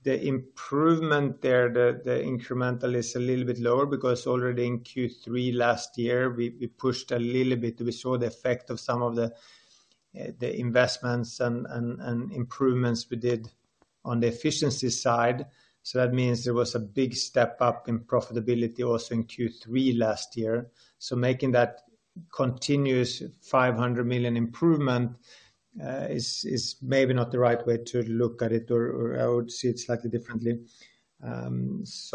the improvement there, the incremental is a little bit lower because already in Q3 last year, we pushed a little bit. We saw the effect of some of the investments and, and, and improvements we did on the efficiency side. That means there was a big step up in profitability also in Q3 last year. Making that continuous 500 million improvement is maybe not the right way to look at it, or, or I would see it slightly differently. But,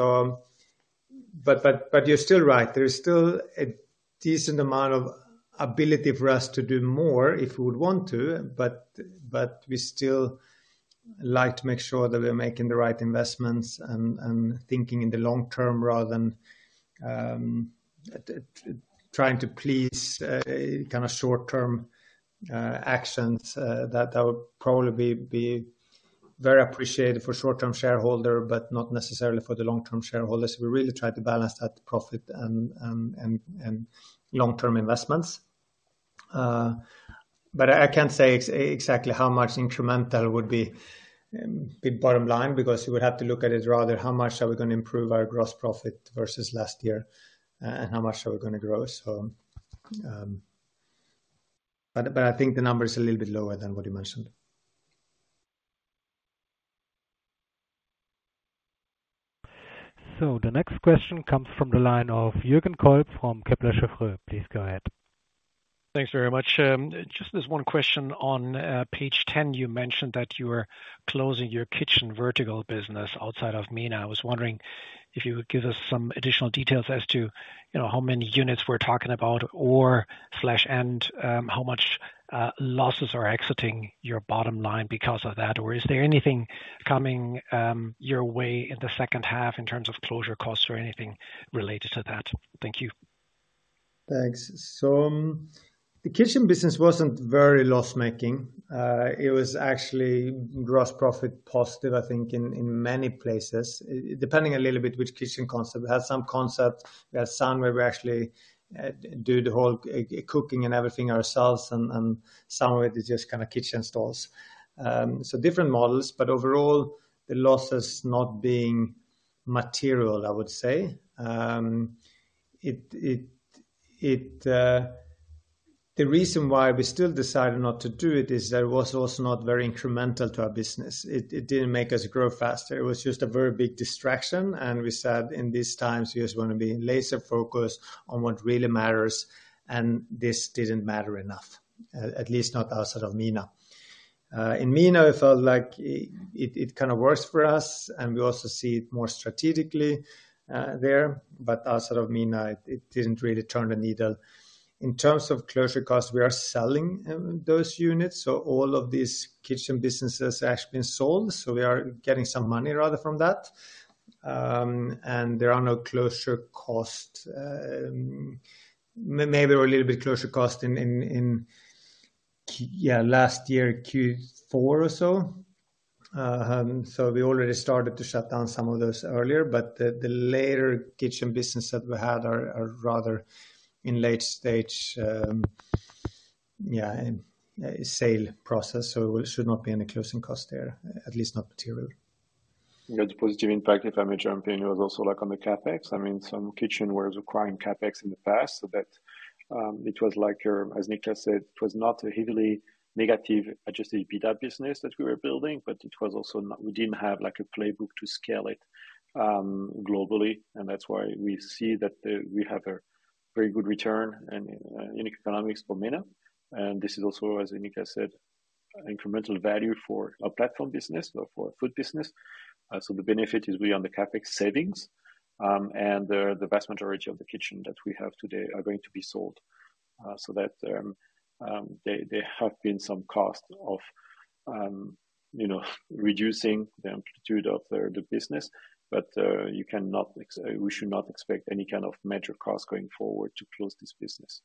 you're still right. There is still a decent amount of ability for us to do more if we would want to, but, but we still like to make sure that we are making the right investments and, and thinking in the long term rather than trying to please kind of short-term actions that I would probably be very appreciated for short-term shareholder, but not necessarily for the long-term shareholders. We really try to balance that profit and, and, and long-term investments. I, I can't say exactly how much incremental would be be bottom line, because you would have to look at it rather, how much are we going to improve our gross profit versus last year, and how much are we going to grow? But I think the number is a little bit lower than what you mentioned. The next question comes from the line of Jürgen Kolb from Kepler Cheuvreux. Please go ahead. Thanks very much. Just there's one question on page 10, you mentioned that you were closing your kitchen vertical business outside of MENA. I was wondering if you would give us some additional details as to, you know, how many units we're talking about or how much losses are exiting your bottom line because of that? Is there anything coming your way in the second half in terms of closure costs or anything related to that? Thank you. Thanks. The kitchen business wasn't very loss-making. It was actually gross profit positive, I think, in many places, depending a little bit which kitchen concept. We have some concepts, we have some where we actually do the whole cooking and everything ourselves, and some of it is just kinda kitchen stalls. Different models, but overall, the losses not being material, I would say. The reason why we still decided not to do it is that it was also not very incremental to our business. It didn't make us grow faster. It was just a very big distraction, and we said, in these times, we just wanna be laser-focused on what really matters, and this didn't matter enough, at least not outside of MENA. In MENA, it felt like it kind of works for us, and we also see it more strategically there, but outside of MENA, it didn't really turn the needle. In terms of closure costs, we are selling those units, so all of these kitchen businesses are actually being sold, so we are getting some money rather from that. And there are no closure cost. Maybe a little bit closure cost in, in, in, yeah, last year, Q4 or so. So we already started to shut down some of those earlier, but the, the later kitchen business that we had are, are rather in late stage, yeah, sale process, so there should not be any closing cost there, at least not material. Yeah, the positive impact, if I may jump in, was also like on the CapEx. I mean, some kitchen were requiring CapEx in the past, so that it was like, as Nick has said, it was not a heavily negative adjusted EBITDA business that we were building, but it was also not, we didn't have, like, a playbook to scale it globally, and that's why we see that we have a very good return and in economics for MENA. This is also, as Nick has said, incremental value for our platform business or for our food business. So the benefit is really on the CapEx savings, and the, the vast majority of the kitchen that we have today are going to be sold. That, there, there have been some cost of, you know, reducing the amplitude of the business. You cannot We should not expect any kind of major cost going forward to close this business.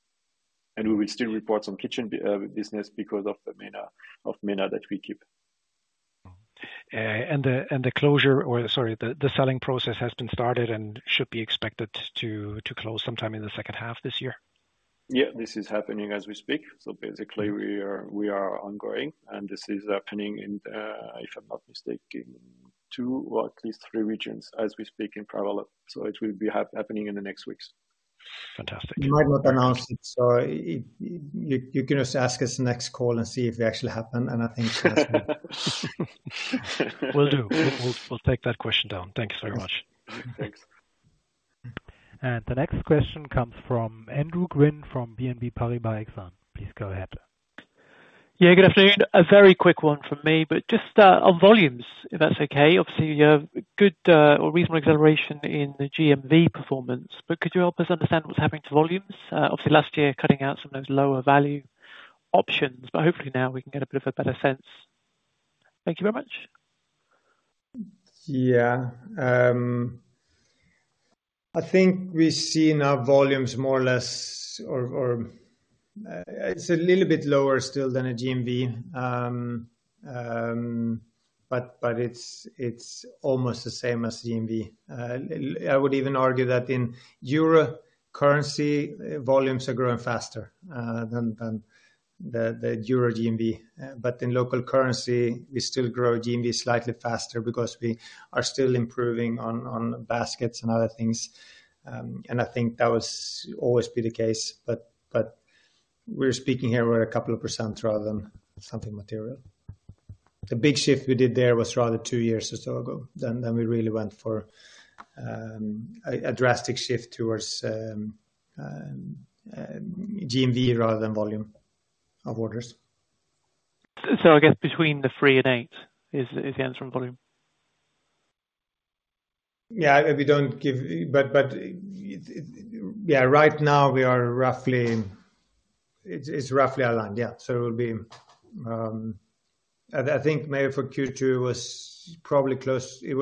We will still report some kitchen business because of the MENA, of MENA that we keep. The closure, or sorry, the selling process has been started and should be expected to, to close sometime in the second half this year? Yeah, this is happening as we speak. Basically, we are, we are ongoing, and this is happening in, if I'm not mistaken, two or at least three regions as we speak in parallel. It will be happening in the next weeks. Fantastic. We might not announce it, so you can just ask us next call and see if it actually happened, and I think it has been. Will do. We'll, we'll take that question down. Thank you so very much. Thanks. The next question comes from Andrew Gwynn from BNP Paribas Exane. Please go ahead. Yeah, good afternoon. A very quick one from me, but just, on volumes, if that's okay. Obviously, you have good, or reasonable acceleration in the GMV performance, but could you help us understand what's happening to volumes? Obviously, last year, cutting out some of those lower value options, but hopefully now we can get a bit of a better sense. Thank you very much. Yeah. I think we've seen our volumes more or less, or, or it's a little bit lower still than a GMV. But, but it's almost the same as GMV. I would even argue that in euro currency, volumes are growing faster than the euro GMV. But in local currency, we still grow GMV slightly faster because we are still improving on, on baskets and other things. And I think that will always be the case, but, but we're speaking here where a couple of percent rather than something material. The big shift we did there was rather two years or so ago, then, then we really went for a drastic shift towards GMV rather than volume of orders. I guess between the three and eight is, is the answer on volume? Yeah, we don't give... Right now we are roughly, it's, it's roughly aligned. It will be, I think maybe for Q2 was probably closer to the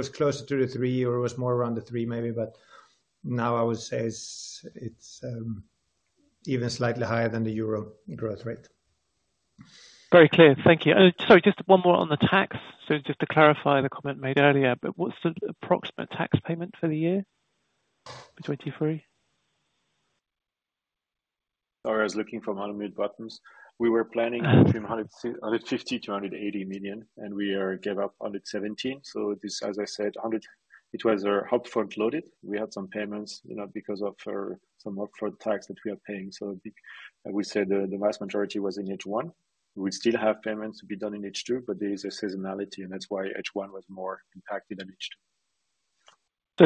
3%, or it was more around the 3%, maybe, but now I would say it's, it's even slightly higher than the euro growth rate. Very clear. Thank you. Sorry, just one more on the tax. Just to clarify the comment made earlier, but what's the approximate tax payment for the year, in 2023? Sorry, I was looking for my mute buttons. We were planning between 150 million to 180 million, and we gave up 117 million. This, as I said, 100 million, it was our upfront loaded. We had some payments, you know, because of some upfront tax that we are paying. I think, I would say the vast majority was in H1. We still have payments to be done in H2, but there is a seasonality, and that's why H1 was more impacted than H2.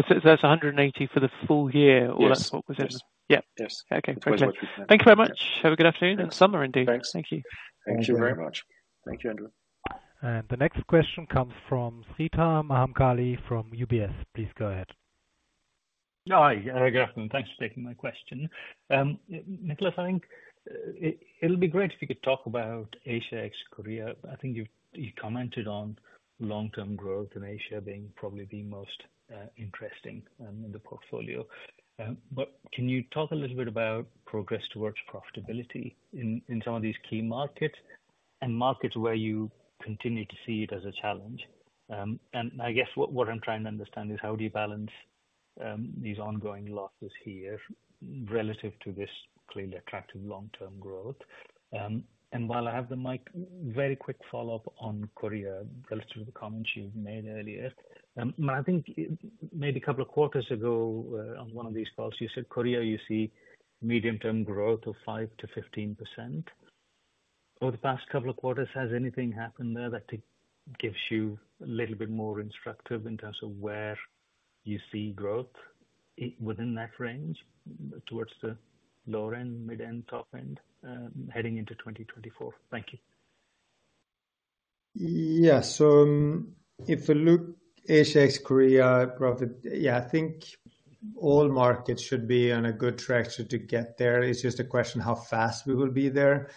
so that's 180 for the full year? Yes. What was it? Yes. Yeah. Yes. Okay, great. That's what we planned. Thank you very much. Have a good afternoon, and summer indeed. Thanks. Thank you. Thank you very much. Thank you, Andrew. The next question comes from Sreedhar Mahamkali from UBS. Please go ahead. Hi, good afternoon. Thanks for taking my question. Niklas, I think it'll be great if you could talk about Asia ex-Korea. I think you commented on long-term growth in Asia being probably the most interesting in the portfolio. Can you talk a little bit about progress towards profitability in some of these key markets, and markets where you continue to see it as a challenge? I guess what I'm trying to understand is how do you balance these ongoing losses here relative to this clearly attractive long-term growth? While I have the mic, very quick follow-up on Korea, relative to the comments you made earlier. I think maybe a couple of quarters ago, on one of these calls, you said Korea, you see medium-term growth of 5%-15%. Over the past couple of quarters, has anything happened there that gives you a little bit more instructive in terms of where you see growth within that range, towards the lower end, mid-end, top end, heading into 2024? Thank you. If you look Asia Ex-Korea profit. I think all markets should be on a good trajectory to get there. It's just a question how fast we will be there.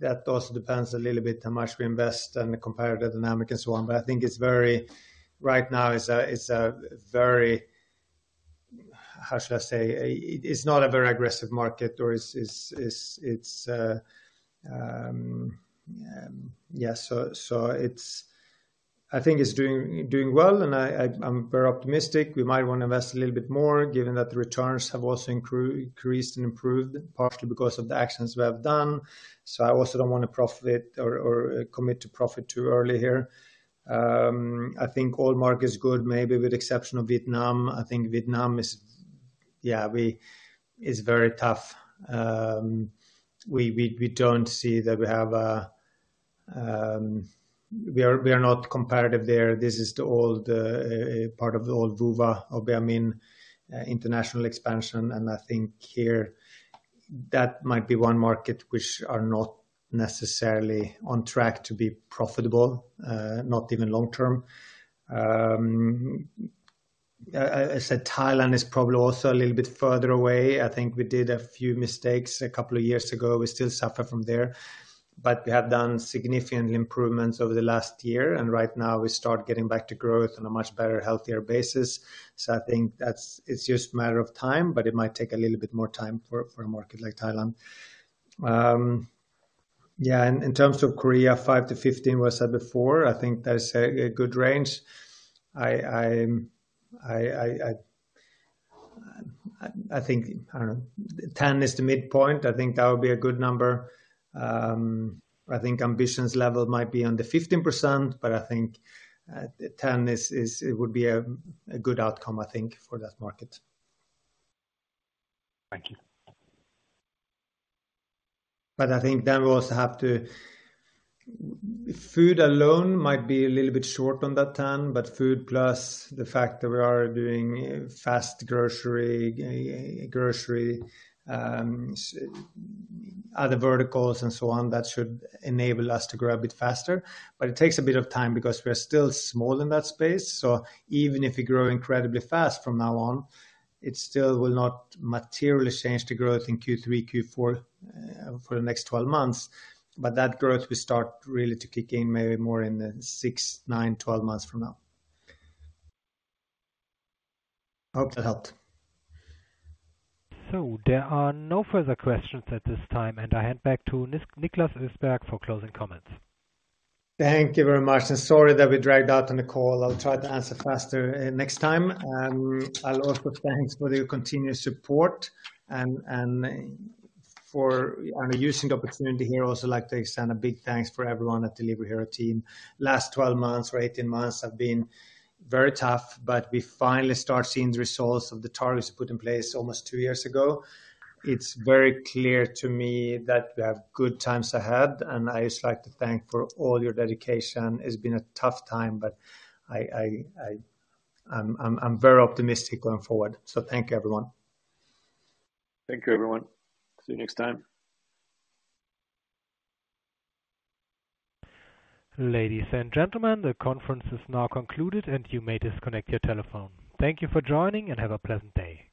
That also depends a little bit how much we invest and the comparative dynamic and so on. I think it's very. Right now, it's a, it's a very, how should I say? It, it's not a very aggressive market or it's, it's, it's, I think it's doing, doing well, and I'm very optimistic. We might want to invest a little bit more, given that the returns have also increased, increased and improved, partially because of the actions we have done. I also don't want to profit or, or commit to profit too early here. I think all market is good, maybe with the exception of Vietnam. I think Vietnam is, yeah, we... It's very tough. We don't see that we are not comparative there. This is the old part of the old Woowa, what we mean, international expansion. I think here, that might be one market which are not necessarily on track to be profitable, not even long term. I said Thailand is probably also a little bit further away. I think we did a few mistakes a couple of years ago. We still suffer from there. We have done significant improvements over the last year. Right now, we start getting back to growth on a much better, healthier basis. I think that's, it's just a matter of time. It might take a little bit more time for a market like Thailand. Yeah, in, in terms of Korea, 5%-15% was said before. I think that's a good range. I think, I don't know, 10% is the midpoint. I think that would be a good number. I think ambitions level might be on the 15%, but I think 10% is, it would be a good outcome, I think, for that market. Thank you. I think then we also have to. Food alone might be a little bit short on that 10, but food plus the fact that we are doing fast grocery, grocery, other verticals and so on, that should enable us to grow a bit faster. It takes a bit of time because we're still small in that space. Even if we grow incredibly fast from now on, it still will not materially change the growth in Q3, Q4 for the next 12 months. That growth will start really to kick in maybe more in the six, nine, 12 months from now. Hope that helped. There are no further questions at this time, and I hand back to Niklas Östberg for closing comments. Thank you very much, sorry that we dragged out on the call. I'll try to answer faster next time. I'll also thanks for your continuous support. I'm using the opportunity here also like to extend a big thanks for everyone at the Delivery Hero team. Last 12 months or 18 months have been very tough, but we finally start seeing the results of the targets put in place almost two years ago. It's very clear to me that we have good times ahead, and I just like to thank for all your dedication. It's been a tough time, but I'm very optimistic going forward. Thank you, everyone. Thank you, everyone. See you next time. Ladies and gentlemen, the conference is now concluded, and you may disconnect your telephone. Thank you for joining, and have a pleasant day.